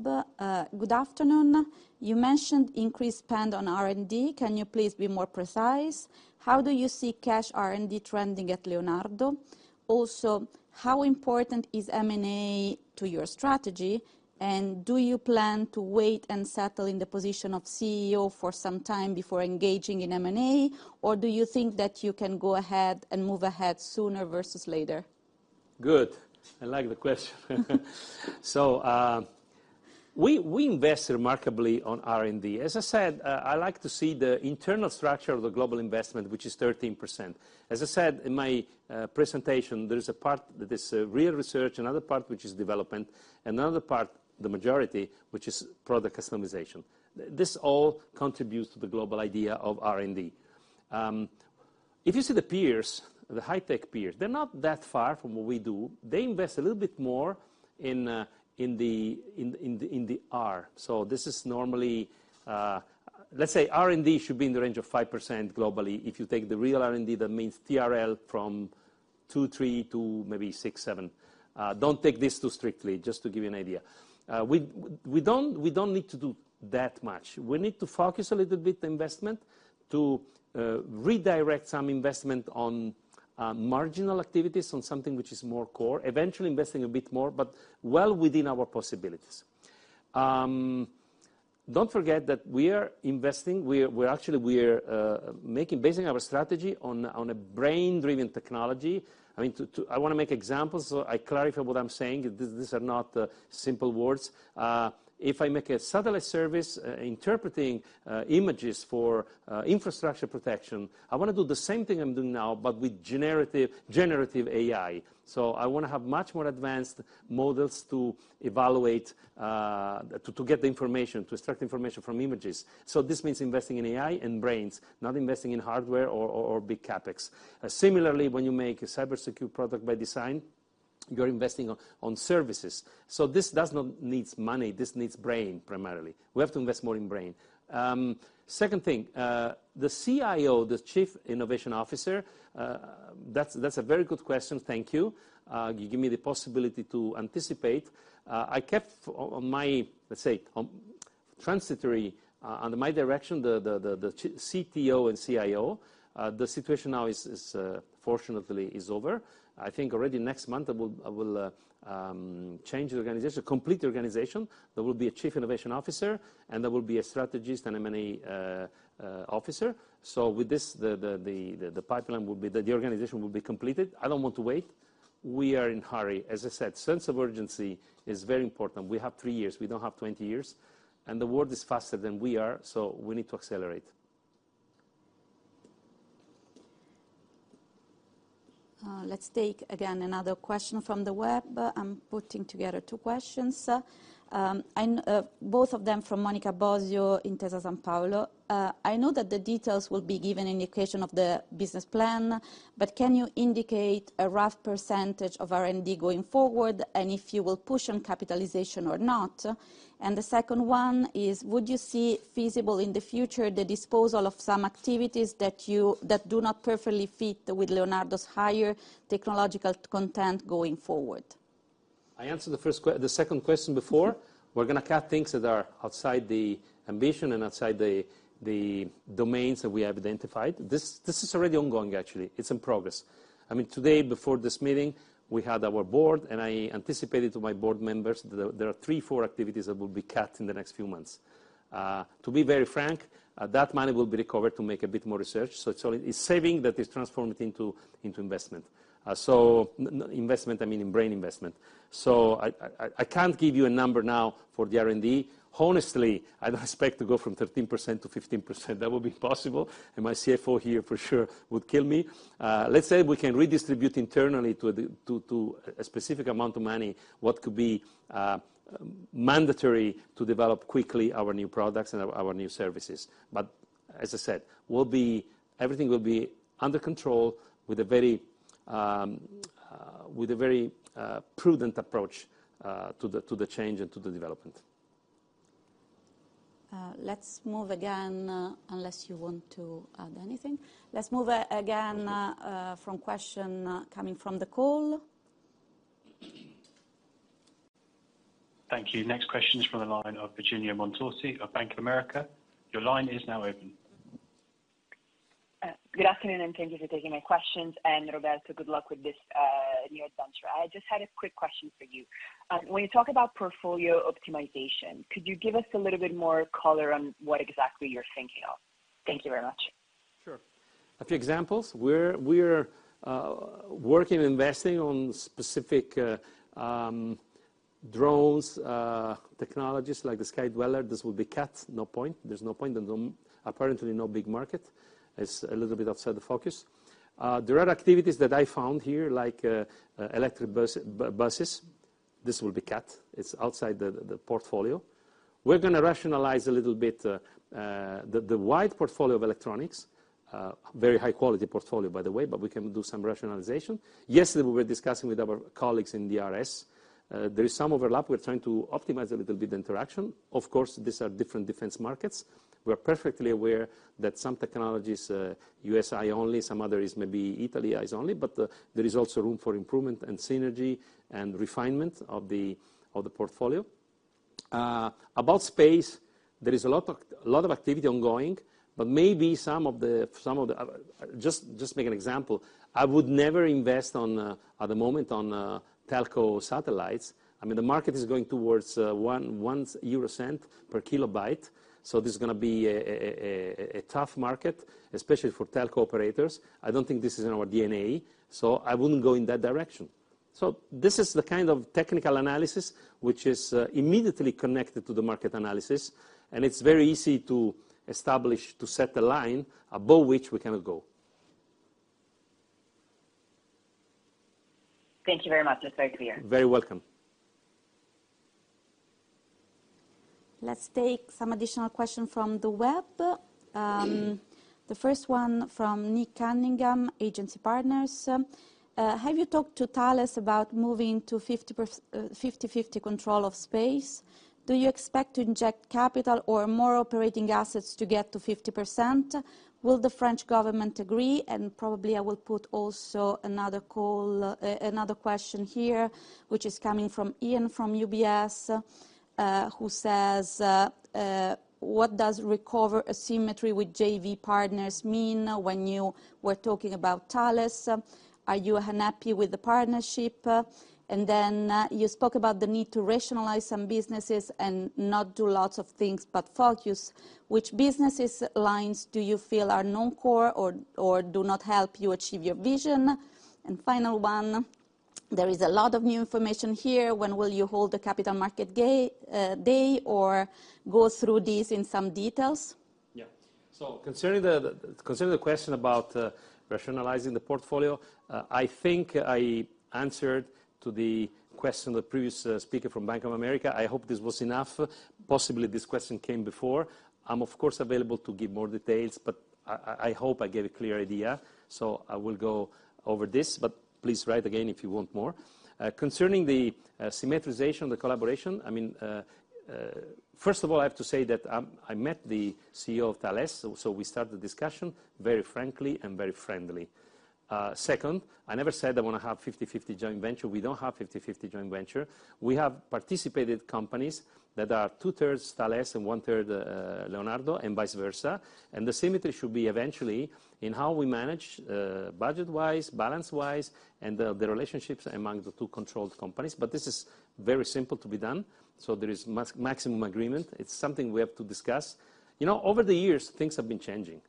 Good afternoon. You mentioned increased spend on R&D. Can you please be more precise? How do you see cash R&D trending at Leonardo? How important is M&A to your strategy, and do you plan to wait and settle in the position of CEO for some time before engaging in M&A, or do you think that you can go ahead and move ahead sooner versus later? Good. I like the question. We invest remarkably on R&D. As I said, I like to see the internal structure of the global investment, which is 13%. As I said in my presentation, there is a part that is real research, another part which is development, another part, the majority, which is product customization. This all contributes to the global idea of R&D. If you see the peers, the high tech peers, they're not that far from what we do. They invest a little bit more in the R. This is normally. Let's say R&D should be in the range of 5% globally. If you take the real R&D, that means TRL from 2, 3 to maybe 6, 7. Don't take this too strictly, just to give you an idea. We, we don't, we don't need to do that much. We need to focus a little bit investment to redirect some investment on marginal activities, on something which is more core, eventually investing a bit more, but well within our possibilities. Don't forget that we are investing, we are, we're actually, we're making, basing our strategy on a, on a brain-driven technology. I mean, to, to, I want to make examples so I clarify what I'm saying. These, these are not simple words. If I make a satellite service, interpreting images for infrastructure protection, I want to do the same thing I'm doing now, but with generative, generative AI. I want to have much more advanced models to evaluate, to, to get the information, to extract information from images. This means investing in AI and brains, not investing in hardware or big CapEx. Similarly, when you make a cyber secure product by design, you're investing on services. This does not needs money, this needs brain, primarily. We have to invest more in brain. Second thing, the CIO, the Chief Innovation Officer, that's, that's a very good question, thank you. You give me the possibility to anticipate. I kept on my, let's say, on transitory, under my direction, the, the, the, the CTO and CIO. The situation now is, is, fortunately, is over. I think already next month, I will, I will change the organization, complete the organization. There will be a Chief Innovation Officer, and there will be a strategist and M&A officer. With this, the pipeline will be, the organization will be completed. I don't want to wait. We are in hurry. As I said, sense of urgency is very important. We have three years, we don't have 20 years, and the world is faster than we are, so we need to accelerate. Let's take again another question from the web. I'm putting together 2 questions. Both of them from Monica Bosio in Intesa Sanpaolo. I know that the details will be given in the occasion of the business plan, but can you indicate a rough % of R&D going forward, and if you will push on capitalization or not? The second one is: Would you see feasible in the future the disposal of some activities that do not perfectly fit with Leonardo's higher technological content going forward? I answered the first the second question before. We're going to cut things that are outside the ambition and outside the, the domains that we have identified. This, this is already ongoing, actually. It's in progress. I mean, today, before this meeting, we had our board, I anticipated to my board members that there, there are three, four activities that will be cut in the next few months. To be very frank, that money will be recovered to make a bit more research, so it's only, it's saving that is transformed into, into investment. Investment, I mean in brain investment. I can't give you a number now for the R&D. Honestly, I don't expect to go from 13%-15%. That would be possible, my CFO here for sure would kill me. Let's say we can redistribute internally to the, to, to a specific amount of money, what could be mandatory to develop quickly our new products and our, our new services. As I said, everything will be under control with a very, with a very prudent approach to the, to the change and to the development. ... let's move again, unless you want to add anything. Let's move again, from question coming from the call. Thank you. Next question is from the line of Virginia Montorsi of Bank of America. Your line is now open. Good afternoon, and thank you for taking my questions. Roberto, good luck with this new adventure. I just had a quick question for you. When you talk about portfolio optimization, could you give us a little bit more color on what exactly you're thinking of? Thank you very much. Sure. A few examples, we're, we're working, investing on specific drones technologies like the Skydweller. This will be cut, no point, there's no point, and apparently no big market. It's a little bit outside the focus. There are activities that I found here, like electric buses. This will be cut. It's outside the portfolio. We're gonna rationalize a little bit the wide portfolio of electronics. Very high quality portfolio, by the way, but we can do some rationalization. Yesterday, we were discussing with our colleagues in DRS. There is some overlap. We're trying to optimize a little bit interaction. Of course, these are different defense markets. We're perfectly aware that some technologies, USI only, some other is maybe Italia is only, there is also room for improvement and synergy and refinement of the portfolio. About space, there is a lot of activity ongoing. Just make an example, I would never invest at the moment on telco satellites. I mean, the market is going towards 1 euro cent per kilobyte, this is gonna be a tough market, especially for telco operators. I don't think this is in our DNA, I wouldn't go in that direction. This is the kind of technical analysis which is immediately connected to the market analysis, it's very easy to establish, to set the line above which we cannot go. Thank you very much. It's very clear. Very welcome. Let's take some additional question from the web. The first one from Nick Cunningham, Agency Partners. Have you talked to Thales about moving to 50/50 control of space? Do you expect to inject capital or more operating assets to get to 50%? Will the French government agree? Probably, I will put also another call, another question here, which is coming from Ian, from UBS, who says, "What does recover asymmetry with JV partners mean when you were talking about Thales? Are you unhappy with the partnership?" Then, you spoke about the need to rationalize some businesses and not do lots of things, but focus. Which businesses lines do you feel are non-core or, or do not help you achieve your vision? Final 1, there is a lot of new information here. When will you hold a capital market day, or go through these in some details? Yeah. Concerning the, concerning the question about rationalizing the portfolio, I think I answered to the question, the previous speaker from Bank of America. I hope this was enough. Possibly, this question came before. I'm, of course, available to give more details, but I hope I gave a clear idea, so I will go over this. Please write again if you want more. Concerning the symmetrization, the collaboration, I mean, first of all, I have to say that I met the CEO of Thales, so we started the discussion very frankly and very friendly. Second, I never said I want to have 50/50 joint venture. We don't have 50/50 joint venture. We have participated companies that are 2/3 Thales and 1/3 Leonardo, and vice versa. The symmetry should be eventually in how we manage, budget-wise, balance-wise, and the relationships among the two controlled companies. This is very simple to be done, so there is maximum agreement. It's something we have to discuss. You know, over the years, things have been changing.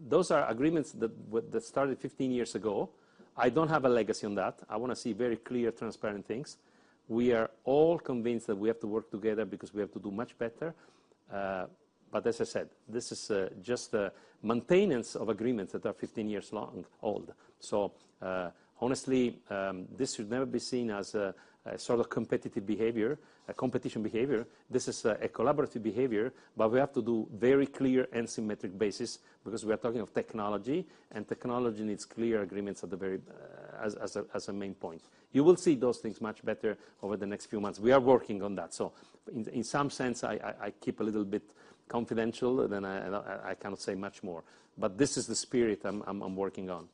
Those are agreements that started 15 years ago. I don't have a legacy on that. I want to see very clear, transparent things. We are all convinced that we have to work together because we have to do much better. As I said, this is just a maintenance of agreements that are 15 years long, old. Honestly, this should never be seen as a sort of competitive behavior, a competition behavior. This is a collaborative behavior, but we have to do very clear and symmetric basis because we are talking of technology, and technology needs clear agreements at the very, as a main point. You will see those things much better over the next few months. We are working on that. In some sense, I keep a little bit confidential, I cannot say much more, but this is the spirit I'm working on.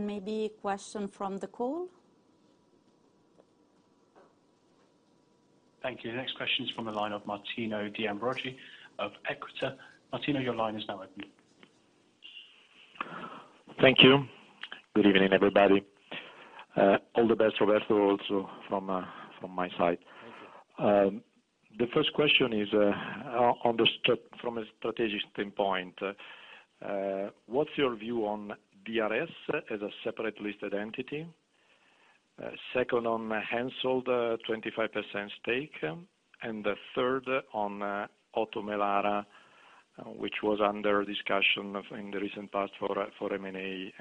Maybe a question from the call? Thank you. Next question is from the line of Martino de Ambroggi of Equita. Martino, your line is now open. Thank you. Good evening, everybody. All the best, Roberto, also from my side. Thank you. The first question is on the strategic standpoint, what's your view on DRS as a separate listed entity? Second, on the Hensoldt 25% stake, and the third, on Oto Melara, which was under discussion in the recent past for M&A.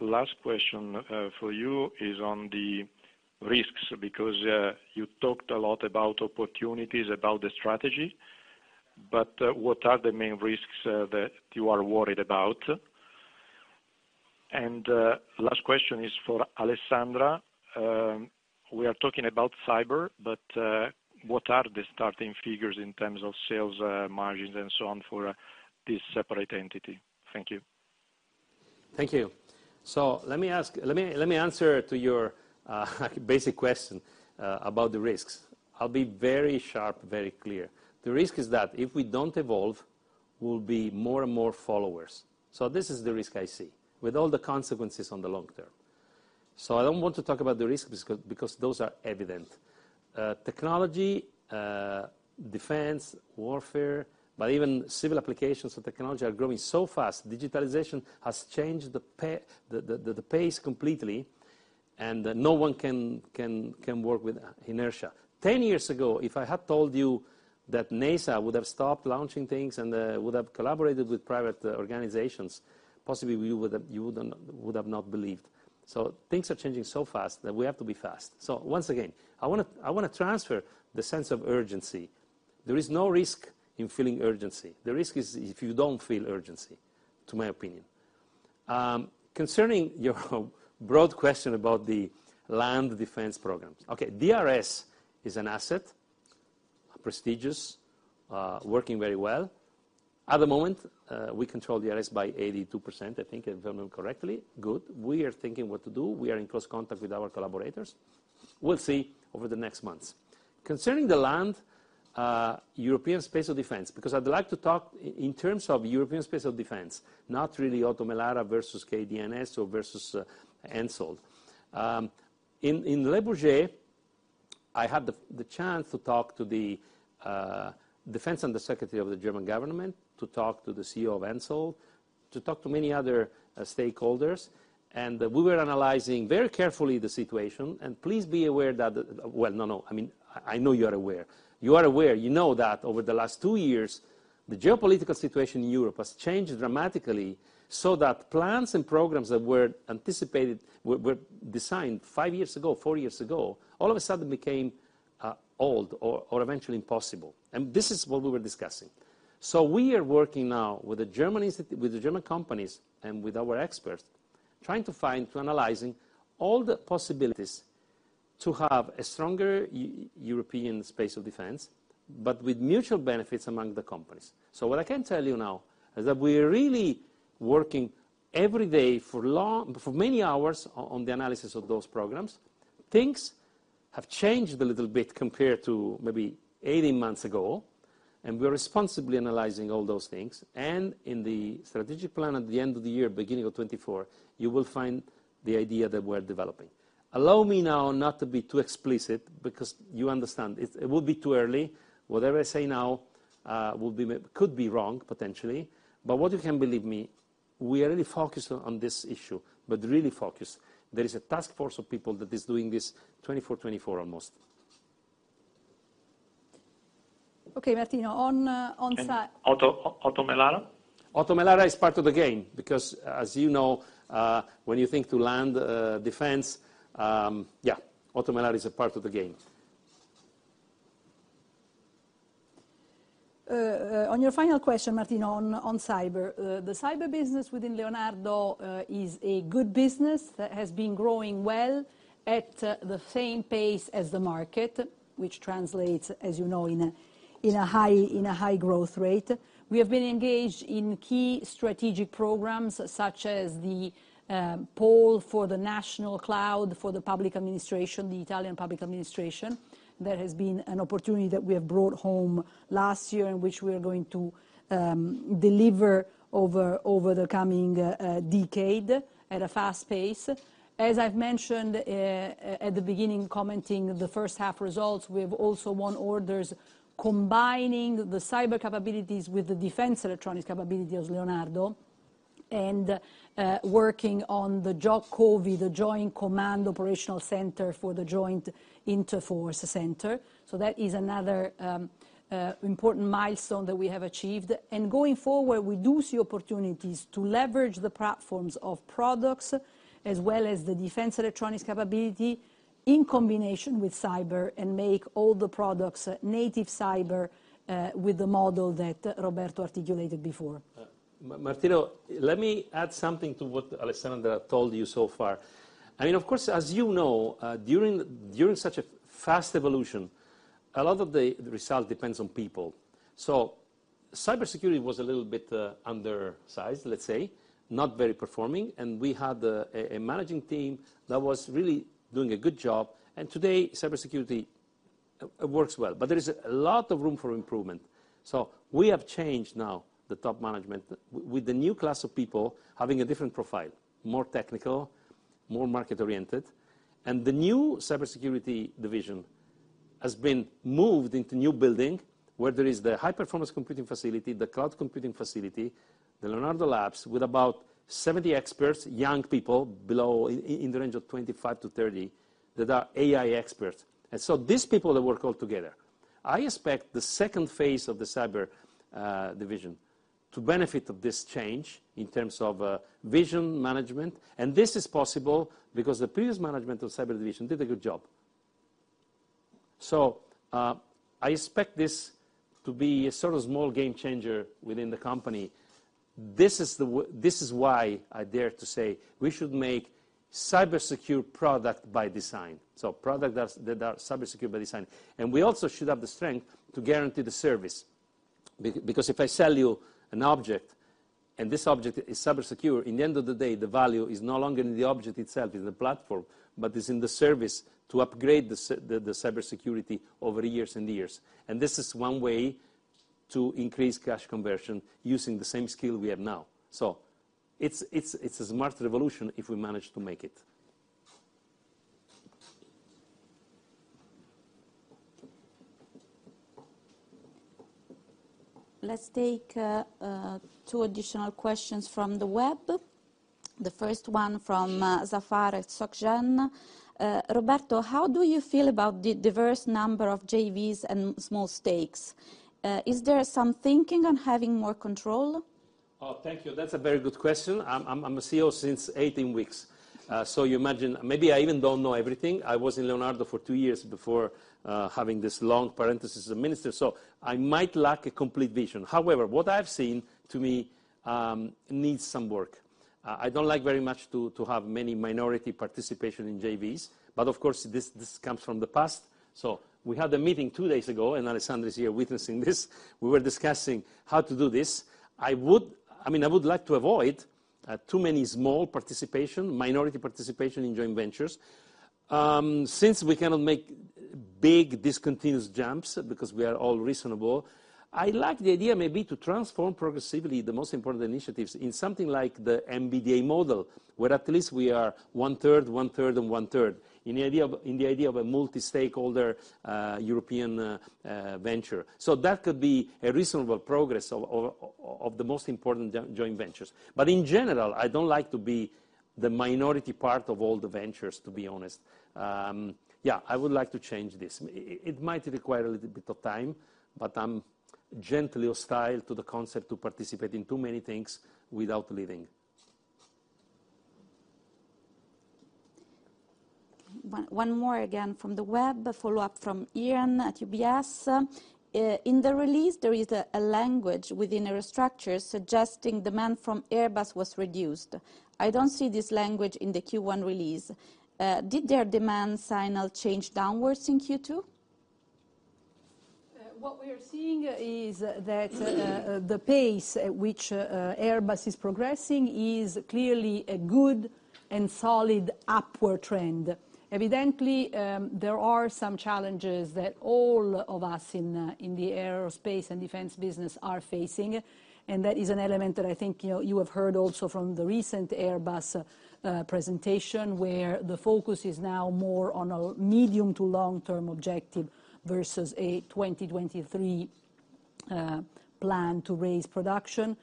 Last question for you is on the risks, because you talked a lot about opportunities, about the strategy, what are the main risks that you are worried about? Last question is for Alessandra. We are talking about cyber, what are the starting figures in terms of sales, margins, for this separate entity? Thank you. Thank you. Let me ask, let me, let me answer to your basic question about the risks. I'll be very sharp, very clear. The risk is that if we don't evolve, we'll be more and more followers. This is the risk I see, with all the consequences on the long term. I don't want to talk about the risks, because, because those are evident. Technology, defense, warfare, but even civil applications of technology are growing so fast, digitalization has changed the pace completely, and no one can, can, can work with inertia. 10 years ago, if I had told you that NASA would have stopped launching things and would have collaborated with private organizations, possibly you would've, you wouldn't, would have not believed. Things are changing so fast that we have to be fast. Once again, I wanna, I wanna transfer the sense of urgency. There is no risk in feeling urgency. The risk is if you don't feel urgency, to my opinion. Concerning your broad question about the land defense programs. Okay, DRS is an asset, prestigious, working very well. At the moment, we control DRS by 82%, I think, if I remember correctly. Good. We are thinking what to do. We are in close contact with our collaborators. We'll see over the next months. Concerning the land, European Defence and Space, because I'd like to talk in terms of European Defence and Space, not really Oto Melara versus KNDS or versus Hensoldt. In, in Le Bourget, I had the the chance to talk to the defense and the secretary of the German government, to talk to the CEO of Hensoldt, to talk to many other stakeholders, and we were analyzing very carefully the situation. Please be aware that... Well, no, no, I mean, I know you are aware. You are aware, you know that over the last two years, the geopolitical situation in Europe has changed dramatically, so that plans and programs that were anticipated, were, were designed five years ago, four years ago, all of a sudden became old or, or eventually impossible, and this is what we were discussing. We are working now with the German companies and with our experts, trying to find, to analyzing all the possibilities to have a stronger European Defence and Space, but with mutual benefits among the companies. What I can tell you now is that we're really working every day for long, for many hours, on the analysis of those programs. Things have changed a little bit compared to maybe 18 months ago, and we're responsibly analyzing all those things. In the strategic plan at the end of the year, beginning of 2024, you will find the idea that we're developing. Allow me now not to be too explicit, because you understand, it, it would be too early. Whatever I say now, will be could be wrong, potentially. What you can believe me, we are really focused on this issue, but really focused. There is a task force of people that is doing this 24, 24 almost. Okay, Martino. Oto, Oto Melara? Oto Melara is part of the game, because, as you know, when you think to land, defense, yeah, Oto Melara is a part of the game. On your final question, Martino, on, on cyber. The cyber business within Leonardo is a good business that has been growing well at the same pace as the market, which translates, as you know, in a, in a high, in a high growth rate. We have been engaged in key strategic programs, such as the Polo for the national cloud, for the Public Administration, the Italian Public Administration. There has been an opportunity that we have brought home last year, in which we are going to deliver over, over the coming decade, at a fast pace. As I've mentioned, at the beginning, commenting the first half results, we've also won orders combining the cyber capabilities with the defense electronics capabilities of Leonardo, and working on the JOC, the Joint Command Operational Center for the Joint Interforce Center. That is another important milestone that we have achieved. Going forward, we do see opportunities to leverage the platforms of products, as well as the defense electronics capability, in combination with cyber, and make all the products native cyber with the model that Roberto articulated before. Martino, let me add something to what Alessandra told you so far. I mean, of course, as you know, during, during such a fast evolution, a lot of the, the result depends on people. Cybersecurity was a little bit undersized, let's say, not very performing, and we had a, a managing team that was really doing a good job, and today, cybersecurity works well. There is a lot of room for improvement. We have changed now the top management, with the new class of people having a different profile, more technical, more market-oriented. The new cybersecurity division has been moved into new building, where there is the high-performance computing facility, the cloud computing facility, the Leonardo Labs, with about 70 experts, young people, in the range of 25-30, that are AI experts. These people that work all together, I expect the second phase of the cyber division to benefit of this change in terms of vision, management. This is possible because the previous management of cyber division did a good job. I expect this to be a sort of small game changer within the company. This is why I dare to say, we should make cybersecure product by design, so product that's, that are cybersecure by design. We also should have the strength to guarantee the service. Because if I sell you an object, and this object is cybersecure, in the end of the day, the value is no longer in the object itself, in the platform, but it's in the service to upgrade the cybersecurity over years and years. This is one way to increase cash conversion using the same skill we have now. It's, it's, it's a smart revolution if we manage to make it. Let's take, two additional questions from the web. The first one from Sahar Shojaei. "Roberto, how do you feel about the diverse number of JVs and small stakes? Is there some thinking on having more control? Oh, thank you. That's a very good question. I'm a CEO since 18 weeks, you imagine, maybe I even don't know everything. I was in Leonardo for 2 years before, having this long parenthesis as a minister, I might lack a complete vision. However, what I've seen, to me, needs some work. I don't like very much to have many minority participation in JVs, of course, this comes from the past. We had a meeting 2 days ago, and Alessandra is here witnessing this. We were discussing how to do this. I mean, I would like to avoid too many small participation, minority participation in joint ventures. Since we cannot make big, discontinuous jumps, because we are all reasonable, I like the idea, maybe, to transform progressively the most important initiatives in something like the MBDA model, where at least we are one third, one third, and one third, in the idea, in the idea of a multi-stakeholder, European, venture. That could be a reasonable progress of, of, of the most important joint ventures. In general, I don't like to be the minority part of all the ventures, to be honest. Yeah, I would like to change this. It, it might require a little bit of time, but I'm gently hostile to the concept to participate in too many things without leading. One, one more again from the web, a follow-up from Ian at UBS. "In the release, there is a language within Aerostructures suggesting demand from Airbus was reduced. I don't see this language in the Q1 release. Did their demand signal change downwards in Q2? What we are seeing is that the pace at which Airbus is progressing is clearly a good and solid upward trend. Evidently, there are some challenges that all of us in the aerospace and defense business are facing, that is an element that I think, you know, you have heard also from the recent Airbus presentation, where the focus is now more on a medium to long-term objective versus a 2023 plan to raise production.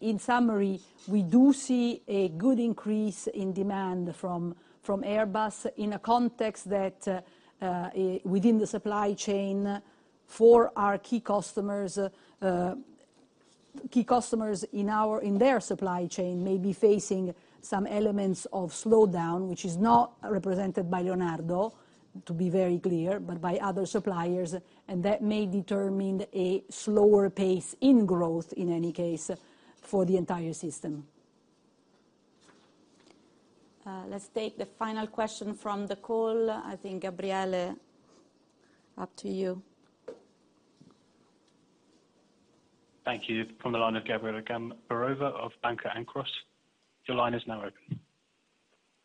In summary, we do see a good increase in demand from, from Airbus in a context that, within the supply chain for our key customers, key customers in our, in their supply chain may be facing some elements of slowdown, which is not represented by Leonardo, to be very clear, but by other suppliers, and that may determine a slower pace in growth, in any case, for the entire system. Let's take the final question from the call. I think Gabriele, up to you. Thank you. From the line of Gabriele Gambarova of Banca Akros, your line is now open.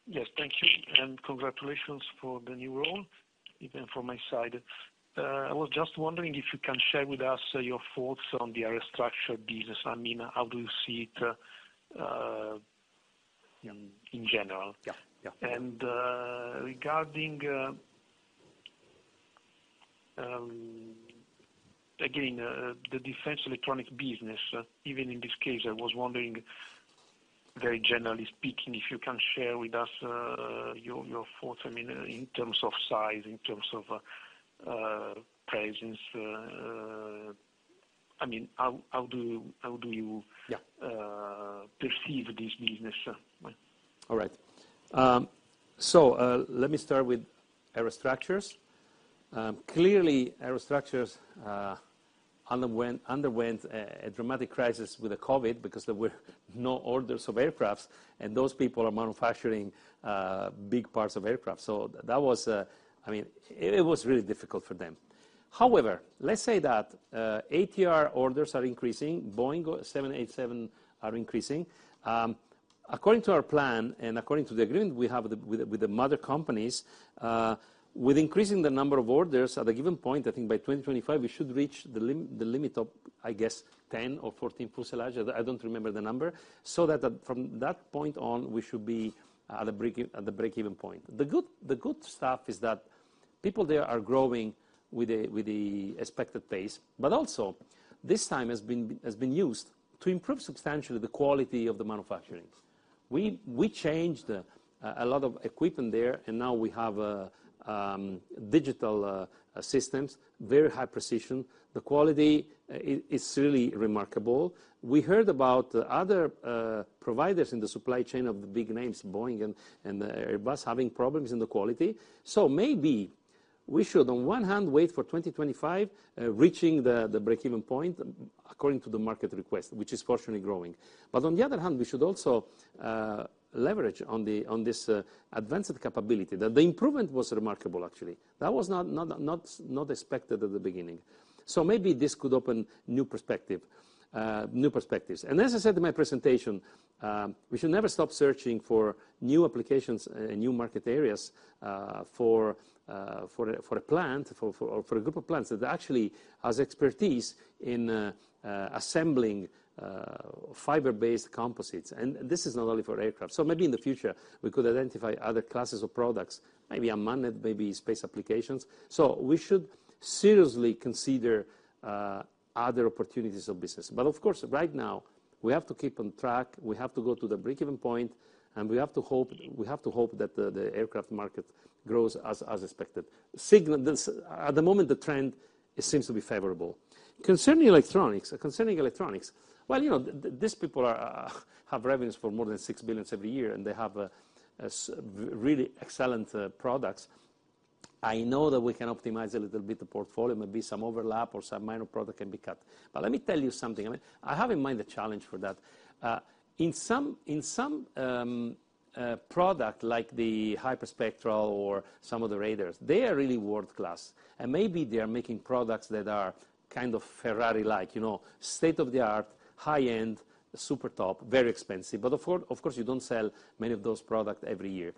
Yes, thank you, and congratulations for the new role, even from my side. I was just wondering if you can share with us your thoughts on the Aerostructures business. I mean, how do you see it, in general? Yeah. Yeah. Regarding, again, the defense electronic business, even in this case, I was wondering, very generally speaking, if you can share with us, your, your thoughts, I mean, in terms of size, in terms of, presence... I mean, how, how do you, Yeah... perceive this business? All right. Let me start with Aerostructures. Clearly, Aerostructures underwent a dramatic crisis with the COVID, because there were no orders of aircraft, and those people are manufacturing big parts of aircraft. That was, I mean, it was really difficult for them. However, let's say that ATR orders are increasing, Boeing 787 are increasing. According to our plan and according to the agreement we have with the mother companies, with increasing the number of orders at a given point, I think by 2025, we should reach the limit of, I guess, 10 or 14 fuselage, I don't remember the number, so that from that point on, we should be at the breakeven point. The good, the good stuff is that people there are growing with a, with the expected pace, but also, this time has been, has been used to improve substantially the quality of the manufacturing. We, we changed a lot of equipment there, and now we have a digital systems, very high precision. The quality is really remarkable. We heard about other providers in the supply chain of the big names, Boeing and Airbus, having problems in the quality. Maybe we should, on one hand, wait for 2025 reaching the breakeven point according to the market request, which is fortunately growing. On the other hand, we should also leverage on the on this advanced capability. That the improvement was remarkable, actually. That was not, not, not, not expected at the beginning. Maybe this could open new perspective, new perspectives. As I said in my presentation, we should never stop searching for new applications and new market areas for a plant, or for a group of plants that actually has expertise in assembling fiber-based composites. This is not only for aircraft. Maybe in the future, we could identify other classes of products, maybe unmanned, maybe space applications. We should seriously consider other opportunities of business. Of course, right now, we have to keep on track, we have to go to the breakeven point, and we have to hope that the aircraft market grows as expected. Signal, this, at the moment, the trend, it seems to be favorable. Concerning electronics, concerning electronics, well, you know, these people are, have revenues for more than 6 billion every year, and they have, really excellent, products. Let me tell you something, I mean, I have in mind a challenge for that. In some, in some, product, like the hyperspectral or some of the radars, they are really world-class, and maybe they are making products that are kind of Ferrari-like, you know, state-of-the-art, high-end, super top, very expensive. Of course, of course, you don't sell many of those products every year.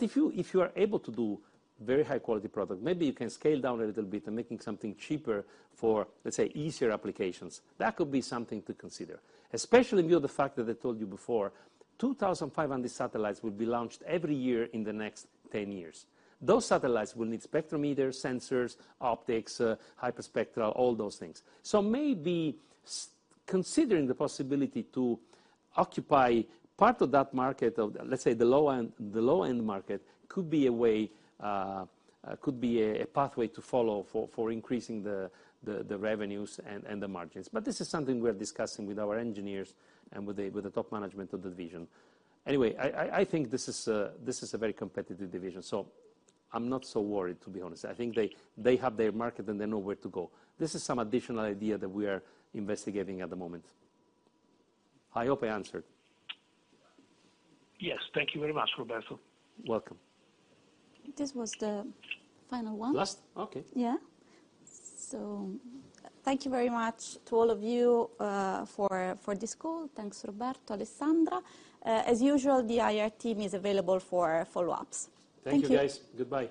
If you, if you are able to do very high quality product, maybe you can scale down a little bit and making something cheaper for, let's say, easier applications. That could be something to consider, especially in view of the fact that I told you before, 2,500 satellites will be launched every year in the next 10 years. Those satellites will need spectrometers, sensors, optics, hyperspectral, all those things. Maybe considering the possibility to occupy part of that market of, let's say, the low-end, the low-end market, could be a way, could be a, a pathway to follow for, for increasing the, the, the revenues and, and the margins. This is something we are discussing with our engineers and with the, with the top management of the division. Anyway, I think this is a very competitive division, so I'm not so worried, to be honest. I think they have their market, and they know where to go. This is some additional idea that we are investigating at the moment. I hope I answered. Yes. Thank you very much, Roberto. Welcome. This was the final one. Last? Okay. Yeah. Thank you very much to all of you, for, for this call. Thanks, Roberto, Alessandra. As usual, the IR team is available for follow-ups. Thank you. Thank you, guys. Goodbye.